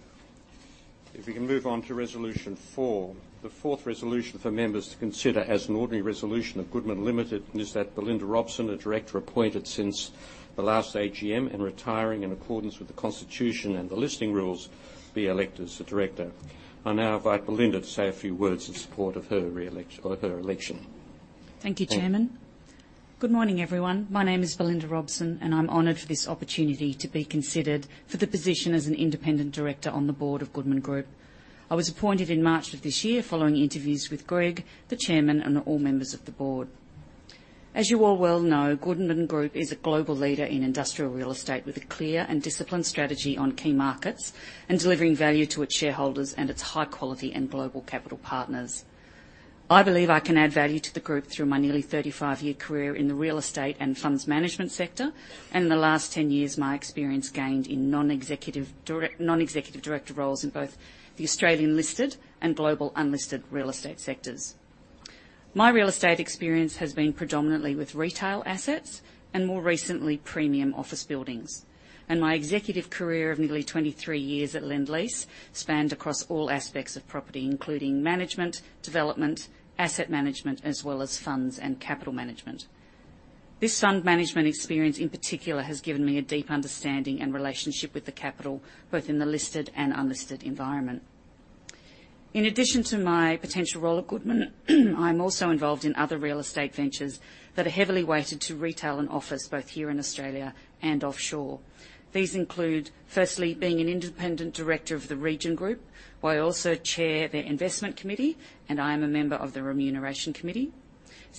If we can move on to Resolution Four. The fourth resolution for members to consider as an ordinary resolution of Goodman Limited, is that Belinda Robson, a director appointed since the last AGM and retiring in accordance with the constitution and the listing rules, be elected as a director. I now invite Belinda to say a few words in support of her re-election or her election. Thank you, Chairman. Good morning, everyone. My name is Belinda Robson, and I'm honored for this opportunity to be considered for the position as an Independent Director on the board of Goodman Group. I was appointed in March of this year following interviews with Greg, the chairman, and all members of the board. As you all well know, Goodman Group is a global leader in industrial real estate, with a clear and disciplined strategy on key markets and delivering value to its shareholders and its high quality and global capital partners. I believe I can add value to the group through my nearly 35-year career in the real estate and funds management sector, and in the last 10 years, my experience gained in non-executive director roles in both the Australian-listed and global unlisted real estate sectors. My real estate experience has been predominantly with retail assets and more recently, premium office buildings. My executive career of nearly 23 years at Lendlease spanned across all aspects of property, including management, development, asset management, as well as funds and capital management. This fund management experience, in particular, has given me a deep understanding and relationship with the capital, both in the listed and unlisted environment. In addition to my potential role at Goodman, I'm also involved in other real estate ventures that are heavily weighted to retail and office, both here in Australia and offshore. These include, firstly, being an Independent Director of the Region Group, where I also chair their Investment Committee, and I am a member of the Remuneration Committee.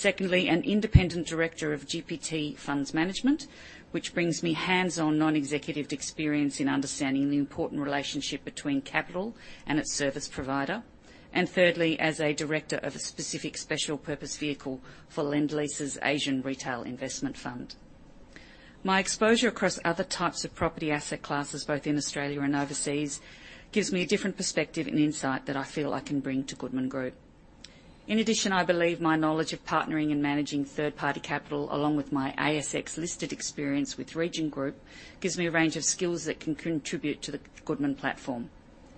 Secondly, an Independent Director of GPT Funds Management, which brings me hands-on, non-executive experience in understanding the important relationship between capital and its service provider. And thirdly, as a director of a specific special purpose vehicle for Lendlease's Asian Retail Investment Fund. My exposure across other types of property asset classes, both in Australia and overseas, gives me a different perspective and insight that I feel I can bring to Goodman Group. In addition, I believe my knowledge of partnering and managing third-party capital, along with my ASX-listed experience with Region Group, gives me a range of skills that can contribute to the Goodman platform.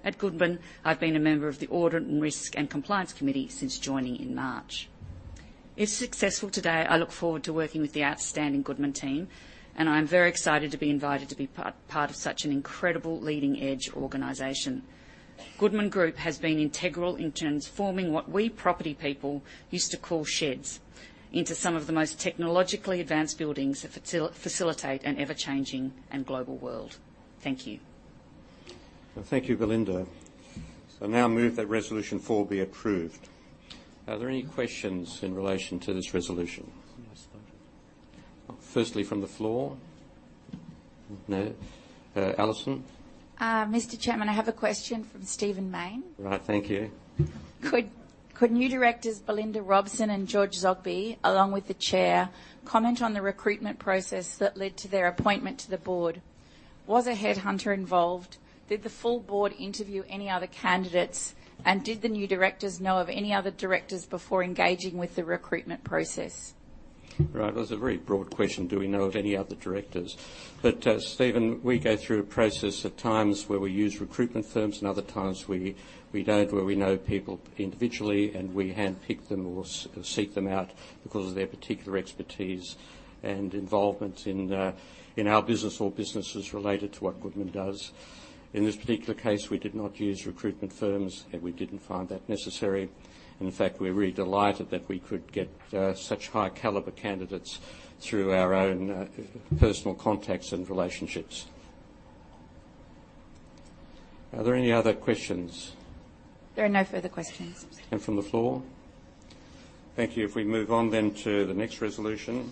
At Goodman, I've been a member of the Audit and Risk and Compliance Committee since joining in March. If successful today, I look forward to working with the outstanding Goodman team, and I am very excited to be invited to be part of such an incredible leading-edge organization. Goodman Group has been integral in transforming what we property people used to call sheds into some of the most technologically advanced buildings that facilitate an ever-changing and global world. Thank you. Thank you, Belinda. I now move that Resolution Four be approved. Are there any questions in relation to this resolution? Yes, sir. Firstly, from the floor? No. Alison? Mr. Chairman, I have a question from Stephen Mayne. Right. Thank you. Could new directors, Belinda Robson and George Zoghbi, along with the chair, comment on the recruitment process that led to their appointment to the board? Was a headhunter involved? Did the full board interview any other candidates? And did the new directors know of any other directors before engaging with the recruitment process? Right. That's a very broad question, do we know of any other directors? But, Stephen, we go through a process at times where we use recruitment firms, and other times we, we don't, where we know people individually, and we handpick them or seek them out because of their particular expertise and involvement in, in our business or businesses related to what Goodman does. In this particular case, we did not use recruitment firms, and we didn't find that necessary. And in fact, we're really delighted that we could get such high caliber candidates through our own personal contacts and relationships.... Are there any other questions? There are no further questions. From the floor? Thank you. If we move on, then, to the next resolution.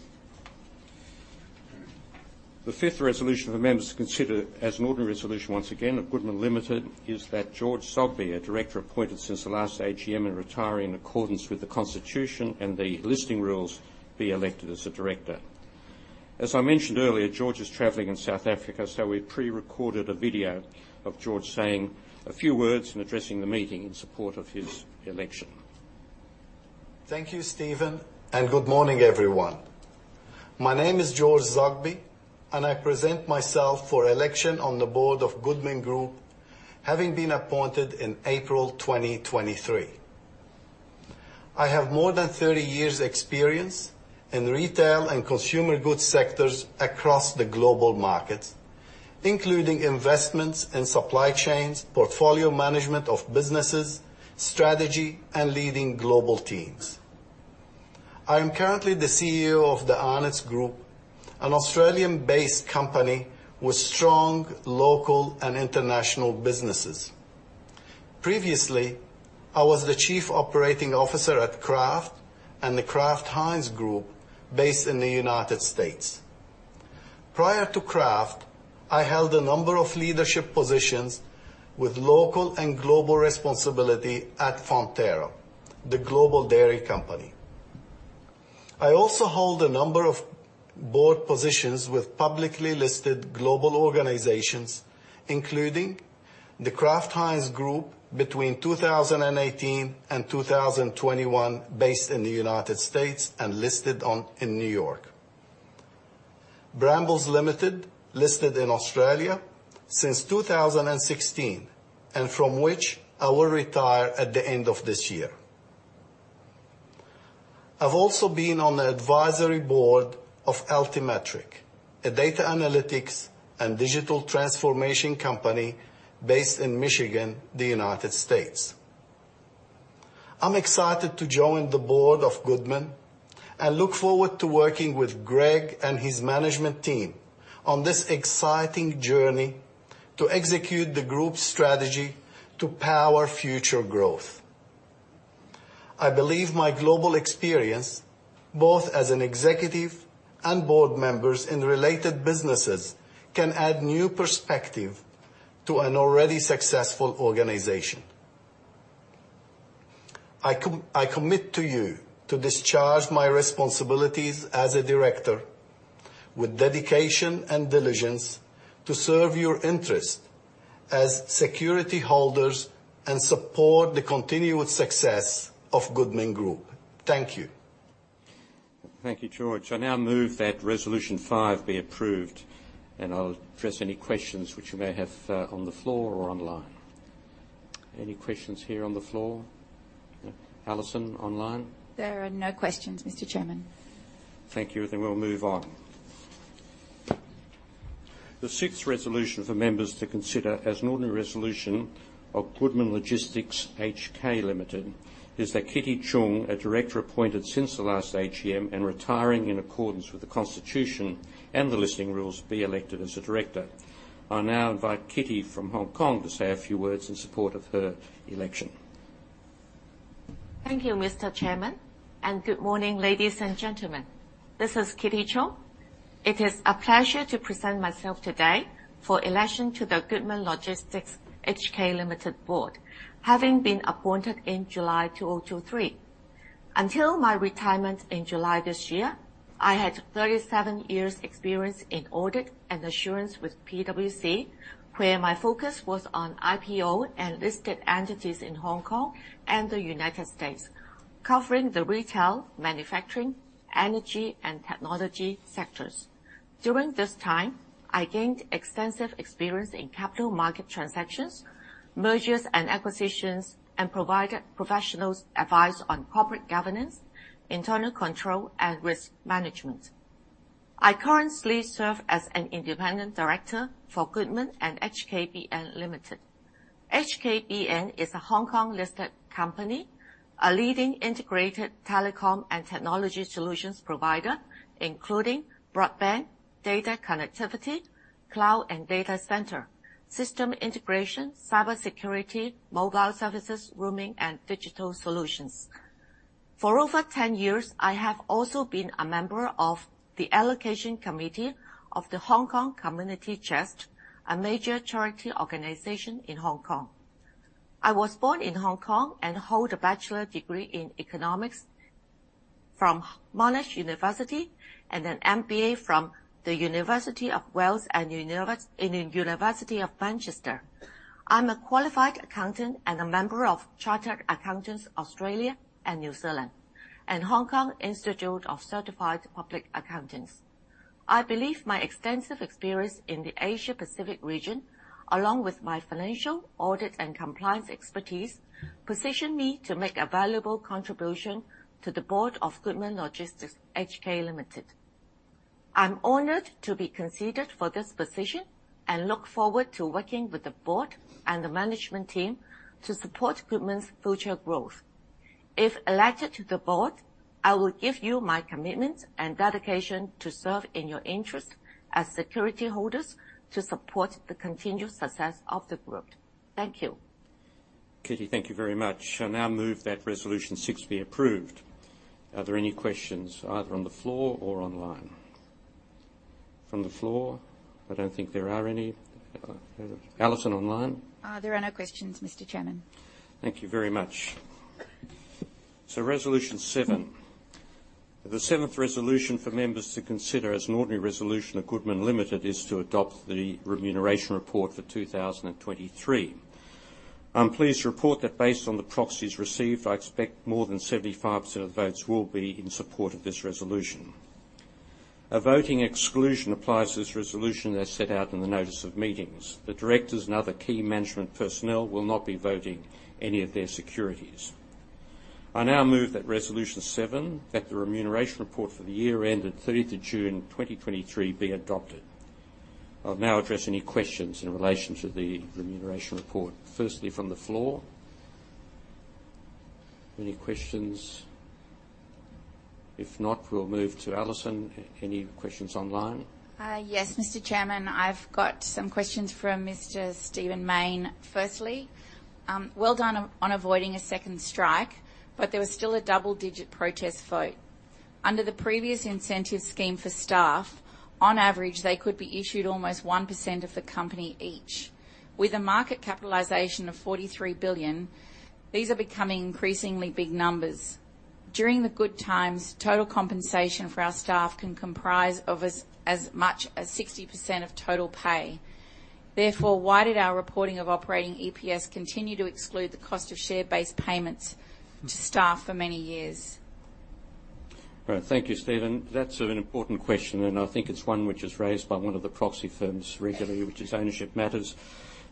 The fifth resolution for members to consider as an ordinary resolution, once again, of Goodman Limited, is that George Zoghbi, a director appointed since the last AGM and retiring in accordance with the Constitution and the listing rules, be elected as a director. As I mentioned earlier, George is traveling in South Africa, so we've pre-recorded a video of George saying a few words and addressing the meeting in support of his election. Thank you, Stephen, and good morning, everyone. My name is George Zoghbi, and I present myself for election on the board of Goodman Group, having been appointed in April 2023. I have more than 30 years' experience in retail and consumer goods sectors across the global markets, including investments in supply chains, portfolio management of businesses, strategy, and leading global teams. I am currently the CEO of The Arnott's Group, an Australian-based company with strong local and international businesses. Previously, I was the Chief Operating Officer at Kraft and the Kraft Heinz Group, based in the United States. Prior to Kraft, I held a number of leadership positions with local and global responsibility at Fonterra, the global dairy company. I also hold a number of board positions with publicly listed global organizations, including the Kraft Heinz between 2018 and 2021, based in the United States and listed on in New York. Brambles Limited, listed in Australia since 2016, and from which I will retire at the end of this year. I've also been on the advisory board of Altimetrik, a data analytics and digital transformation company based in Michigan, the United States. I'm excited to join the board of Goodman and look forward to working with Greg and his management team on this exciting journey to execute the group's strategy to power future growth. I believe my global experience, both as an executive and board members in related businesses, can add new perspective to an already successful organization. I commit to you to discharge my responsibilities as a director with dedication and diligence to serve your interest as security holders and support the continued success of Goodman Group. Thank you. Thank you, George. I now move that resolution 5 be approved, and I'll address any questions which you may have, on the floor or online. Any questions here on the floor? Alison, online? There are no questions, Mr. Chairman. Thank you. We'll move on. The sixth resolution for members to consider as an ordinary resolution of Goodman Logistics (HK) Limited, is that Kitty Chung, a director appointed since the last AGM and retiring in accordance with the Constitution and the listing rules, be elected as a director. I now invite Kitty from Hong Kong to say a few words in support of her election. Thank you, Mr. Chairman, and good morning, ladies and gentlemen. This is Kitty Chung. It is a pleasure to present myself today for election to the Goodman Logistics (HK) Limited Board, having been appointed in July 2023. Until my retirement in July this year, I had 37 years' experience in audit and assurance with PwC, where my focus was on IPO and listed entities in Hong Kong and the United States, covering the retail, manufacturing, energy, and technology sectors. During this time, I gained extensive experience in capital market transactions, mergers and acquisitions, and provided professional advice on corporate governance, internal control, and risk management. I currently serve as an Independent Director for Goodman and HKBN Limited. HKBN is a Hong Kong-listed company, a leading integrated telecom and technology solutions provider, including broadband, data connectivity, cloud and data centre, system integration, cybersecurity, mobile services, roaming, and digital solutions. For over 10 years, I have also been a member of the Allocation Committee of the Hong Kong Community Chest, a major charity organization in Hong Kong. I was born in Hong Kong and hold a bachelor degree in economics from Monash University and an MBA from the University of Wales and University of Manchester. I'm a qualified accountant and a member of Chartered Accountants Australia and New Zealand, and Hong Kong Institute of Certified Public Accountants. I believe my extensive experience in the Asia Pacific region, along with my financial, audit, and compliance expertise, position me to make a valuable contribution to the board of Goodman Logistics (HK) Limited. I'm honored to be considered for this position and look forward to working with the board and the management team to support Goodman's future growth. If elected to the board, I will give you my commitment and dedication to serve in your interest as security holders to support the continued success of the group. Thank you. Kitty, thank you very much. I now move that Resolution six be approved. Are there any questions either on the floor or online? From the floor? I don't think there are any. Alison, online? There are no questions, Mr. Chairman. Thank you very much. So, Resolution 7. The seventh resolution for members to consider as an ordinary resolution of Goodman Limited is to adopt the remuneration report for 2023. I'm pleased to report that based on the proxies received, I expect more than 75% of the votes will be in support of this resolution. A voting exclusion applies to this resolution as set out in the notice of meetings. The directors and other key management personnel will not be voting any of their securities. I now move that Resolution 7, that the remuneration report for the year ended 30th of June 2023, be adopted. I'll now address any questions in relation to the remuneration report. Firstly, from the floor. Any questions? If not, we'll move to Alison. Any questions online? Yes, Mr. Chairman, I've got some questions from Mr. Stephen Mayne. Firstly, well done on avoiding a second strike, but there was still a double-digit protest vote. Under the previous incentive scheme for staff, on average, they could be issued almost 1% of the company each. With a market capitalization of 43 billion, these are becoming increasingly big numbers. During the good times, total compensation for our staff can comprise of as much as 60% of total pay. Therefore, why did our reporting of operating EPS continue to exclude the cost of share-based payments to staff for many years? Right. Thank you, Stephen. That's an important question, and I think it's one which is raised by one of the proxy firms regularly, which is Ownership Matters.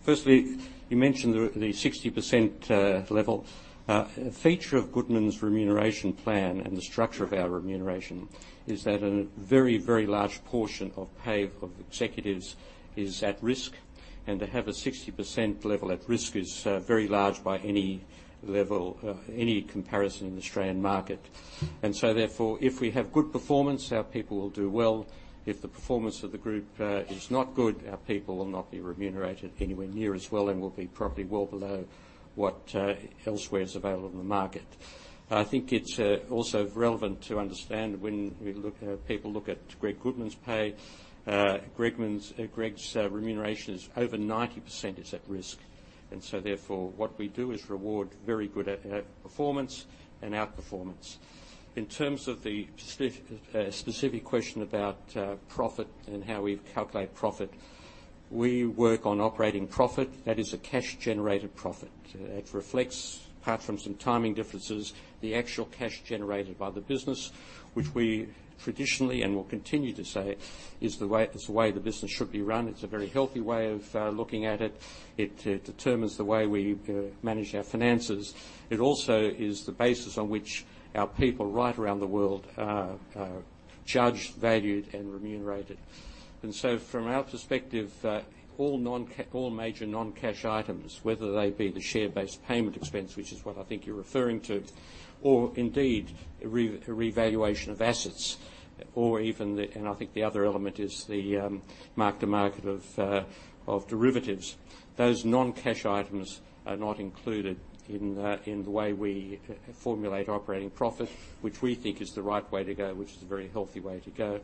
Firstly, you mentioned the 60% level. A feature of Goodman's remuneration plan and the structure of our remuneration is that a very, very large portion of pay of executives is at risk, and to have a 60% level at risk is very large by any level, any comparison in the Australian market. And so therefore, if we have good performance, our people will do well. If the performance of the group is not good, our people will not be remunerated anywhere near as well and will be probably well below what elsewhere is available in the market. I think it's also relevant to understand when we look... People look at Greg Goodman's pay. Greg's remuneration is over 90% at risk, and so therefore, what we do is reward very good at performance and outperformance. In terms of the specific question about profit and how we calculate profit. We work on operating profit, that is a cash-generated profit. It reflects, apart from some timing differences, the actual cash generated by the business, which we traditionally and will continue to say is the way the business should be run. It's a very healthy way of looking at it. It determines the way we manage our finances. It also is the basis on which our people right around the world are judged, valued and remunerated. And so from our perspective, all non-ca... All major non-cash items, whether they be the share-based payment expense, which is what I think you're referring to, or indeed, a revaluation of assets or even—and I think the other element is the mark to market of derivatives. Those non-cash items are not included in the way we formulate operating profit, which we think is the right way to go, which is a very healthy way to go.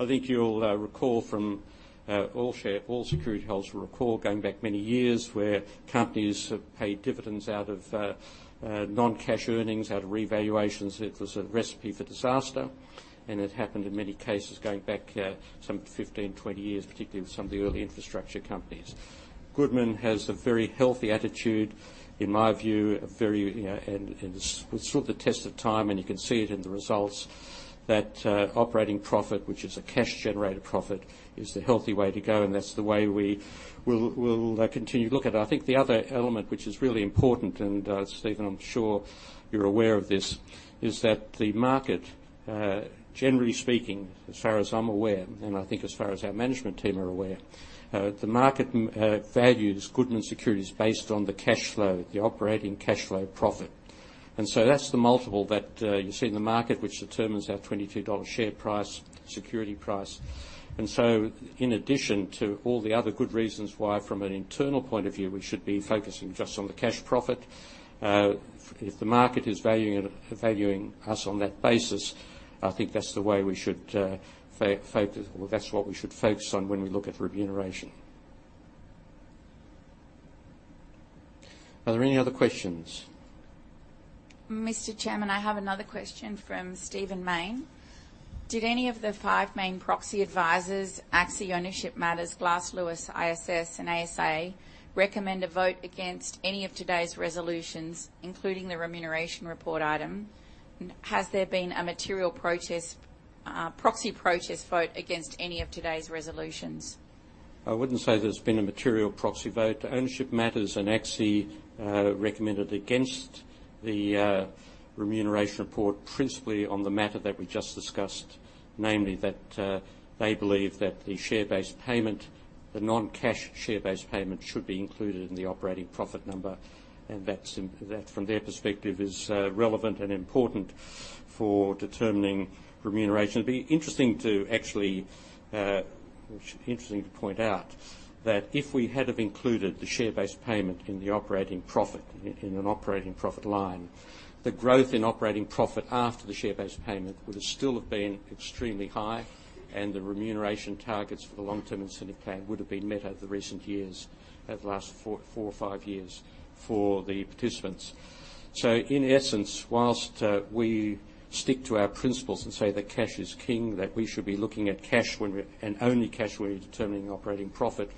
I think you'll recall from all security holders will recall going back many years where companies have paid dividends out of non-cash earnings, out of revaluations. It was a recipe for disaster, and it happened in many cases going back some 15, 20 years, particularly with some of the early infrastructure companies. Goodman has a very healthy attitude, in my view, a very, you know, and stood the test of time, and you can see it in the results. That operating profit, which is a cash-generated profit, is the healthy way to go, and that's the way we will continue to look at it. I think the other element, which is really important, Stephen, I'm sure you're aware of this, is that the market, generally speaking, as far as I'm aware, and I think as far as our management team are aware, the market values Goodman securities based on the cash flow, the operating cash flow profit. And so that's the multiple that you see in the market, which determines our AUD 22 share price, security price. So in addition to all the other good reasons why, from an internal point of view, we should be focusing just on the cash profit, if the market is valuing it, valuing us on that basis, I think that's the way we should focus. Well, that's what we should focus on when we look at remuneration. Are there any other questions? Mr. Chairman, I have another question from Stephen Mayne. Did any of the five main proxy advisors, ACSI, Ownership Matters, Glass Lewis, ISS, and ASA, recommend a vote against any of today's resolutions, including the remuneration report item? Has there been a material protest, proxy protest vote against any of today's resolutions?... I wouldn't say there's been a material proxy vote to Ownership Matters, and actually, recommended against the remuneration report, principally on the matter that we just discussed. Namely, that they believe that the share-based payment, the non-cash share-based payment, should be included in the operating profit number, and that's in-- that, from their perspective, is relevant and important for determining remuneration. It'd be interesting to actually, interesting to point out, that if we had have included the share-based payment in the operating profit, in, in an operating profit line, the growth in operating profit after the share-based payment would have still have been extremely high, and the remuneration targets for the long-term incentive plan would have been met over the recent years, over the last 4, 4 or 5 years for the participants. So in essence, while we stick to our principles and say that cash is king, that we should be looking at cash, and only cash, when we're determining operating profit.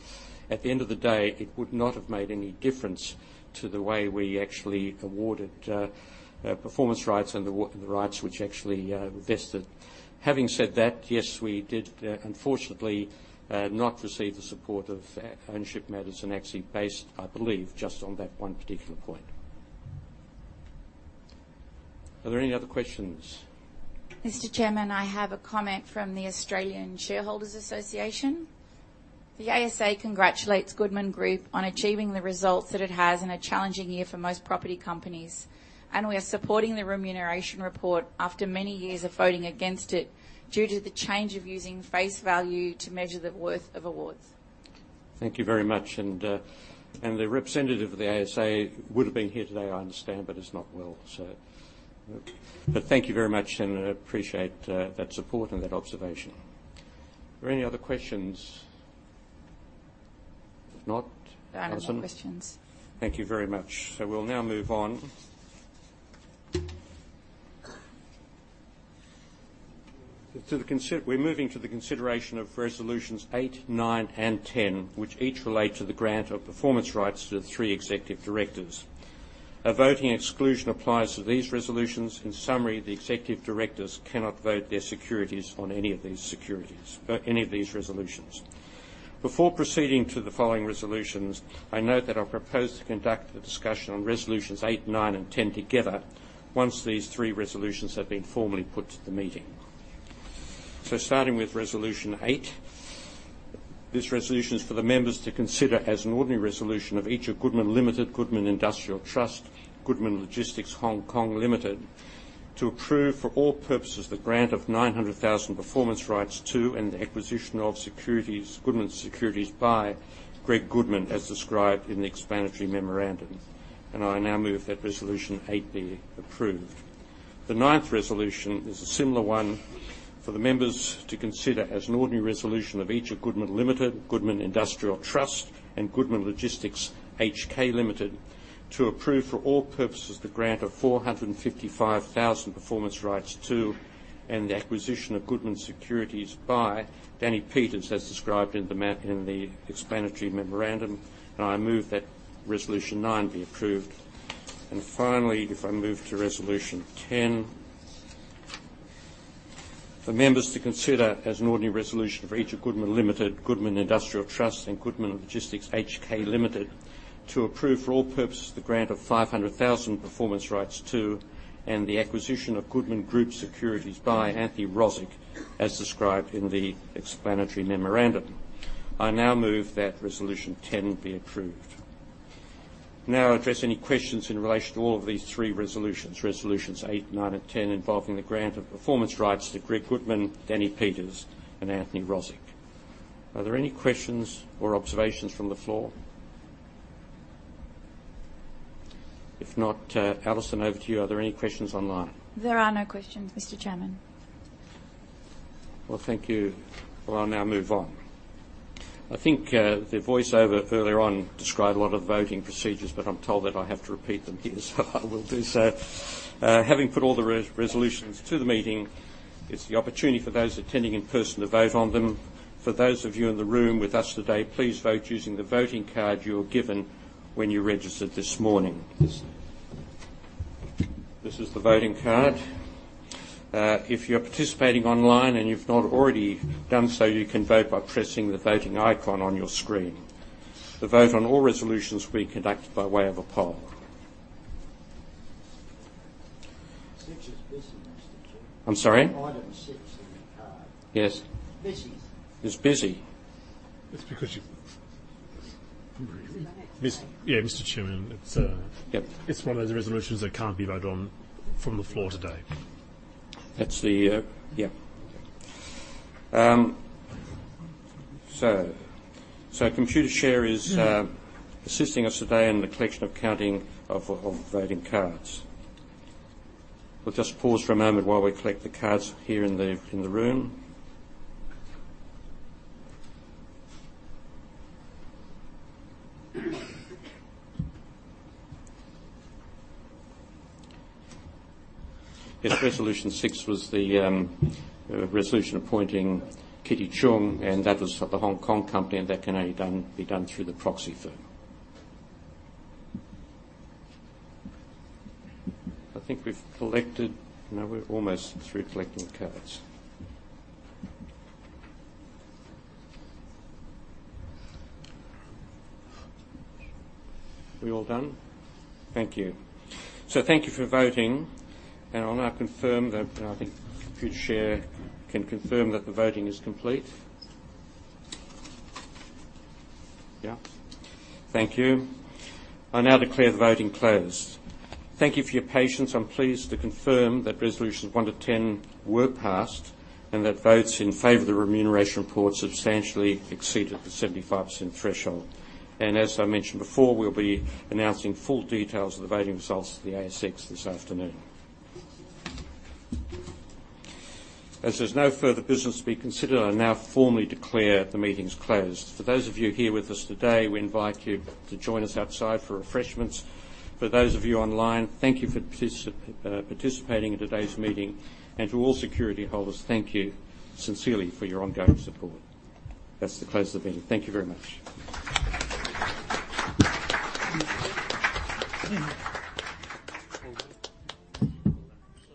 At the end of the day, it would not have made any difference to the way we actually awarded performance rights and the rights which actually vested. Having said that, yes, we did unfortunately not receive the support of Ownership Matters and actually based, I believe, just on that one particular point. Are there any other questions? Mr. Chairman, I have a comment from the Australian Shareholders Association. "The ASA congratulates Goodman Group on achieving the results that it has in a challenging year for most property companies, and we are supporting the remuneration report after many years of voting against it, due to the change of using face value to measure the worth of awards. Thank you very much. And the representative of the ASA would have been here today, I understand, but is not well, so. But thank you very much, and I appreciate that support and that observation. Are there any other questions? If not, Alison- There are no questions. Thank you very much. So we'll now move on to the consideration of resolutions 8, 9, and 10, which each relate to the grant of performance rights to the three executive directors. A voting exclusion applies to these resolutions. In summary, the executive directors cannot vote their securities on any of these resolutions. Before proceeding to the following resolutions, I note that I propose to conduct the discussion on resolutions 8, 9, and 10 together, once these three resolutions have been formally put to the meeting. So starting with resolution 8. This resolution is for the members to consider as an ordinary resolution of each of Goodman Limited, Goodman Industrial Trust, and Goodman Logistics (HK) Limited, to approve, for all purposes, the grant of 900,000 performance rights to and the acquisition of securities, Goodman securities by Greg Goodman, as described in the explanatory memorandum. I now move that resolution 8 be approved. The ninth resolution is a similar one for the members to consider as an ordinary resolution of each of Goodman Limited, Goodman Industrial Trust, and Goodman Logistics (HK) Limited, to approve, for all purposes, the grant of 455,000 performance rights to, and the acquisition of Goodman securities by Danny Peeters, as described in the explanatory memorandum. I move that resolution 9 be approved. Finally, if I move to resolution 10. For members to consider as an ordinary resolution for each of Goodman Limited, Goodman Industrial Trust, and Goodman Logistics (HK) Limited, to approve, for all purposes, the grant of 500,000 performance rights to, and the acquisition of Goodman Group securities by Anthony Rozic, as described in the explanatory memorandum. I now move that resolution 10 be approved. Now, I'll address any questions in relation to all of these three resolutions, resolutions 8, 9, and 10, involving the grant of performance rights to Greg Goodman, Danny Peeters, and Anthony Rozic. Are there any questions or observations from the floor? If not, Alison, over to you. Are there any questions online? There are no questions, Mr. Chairman. Well, thank you. Well, I'll now move on. I think, the voiceover earlier on described a lot of the voting procedures, but I'm told that I have to repeat them here, so I will do so. Having put all the resolutions to the meeting, it's the opportunity for those attending in person to vote on them. For those of you in the room with us today, please vote using the voting card you were given when you registered this morning. This is the voting card. If you're participating online, and you've not already done so, you can vote by pressing the Voting icon on your screen. The vote on all resolutions will be conducted by way of a poll. Six is busy, Mr. Chairman. I'm sorry? Item six in the card. Yes. Busy. It's busy? It's because you... It's in the next page. Yes, Mr. Chairman, it's Yep. It's one of those resolutions that can't be voted on from the floor today. That's the... Yep. So, Computershare is assisting us today in the collection and counting of voting cards. We'll just pause for a moment while we collect the cards here in the room. Yes, Resolution 6 was the resolution appointing Kitty Chung, and that was for the Hong Kong company, and that can only be done through the proxy firm. I think we've collected... Now we're almost through collecting cards. Are we all done? Thank you. So thank you for voting, and I'll now confirm that, and I think Computershare can confirm that the voting is complete. Yeah. Thank you. I now declare the voting closed. Thank you for your patience. I'm pleased to confirm that resolutions 1 to 10 were passed, and that votes in favor of the remuneration report substantially exceeded the 75% threshold. As I mentioned before, we'll be announcing full details of the voting results to the ASX this afternoon. As there's no further business to be considered, I now formally declare the meeting's closed. For those of you here with us today, we invite you to join us outside for refreshments. For those of you online, thank you for participating in today's meeting. To all security holders, thank you sincerely for your ongoing support. That's the close of the meeting. Thank you very much.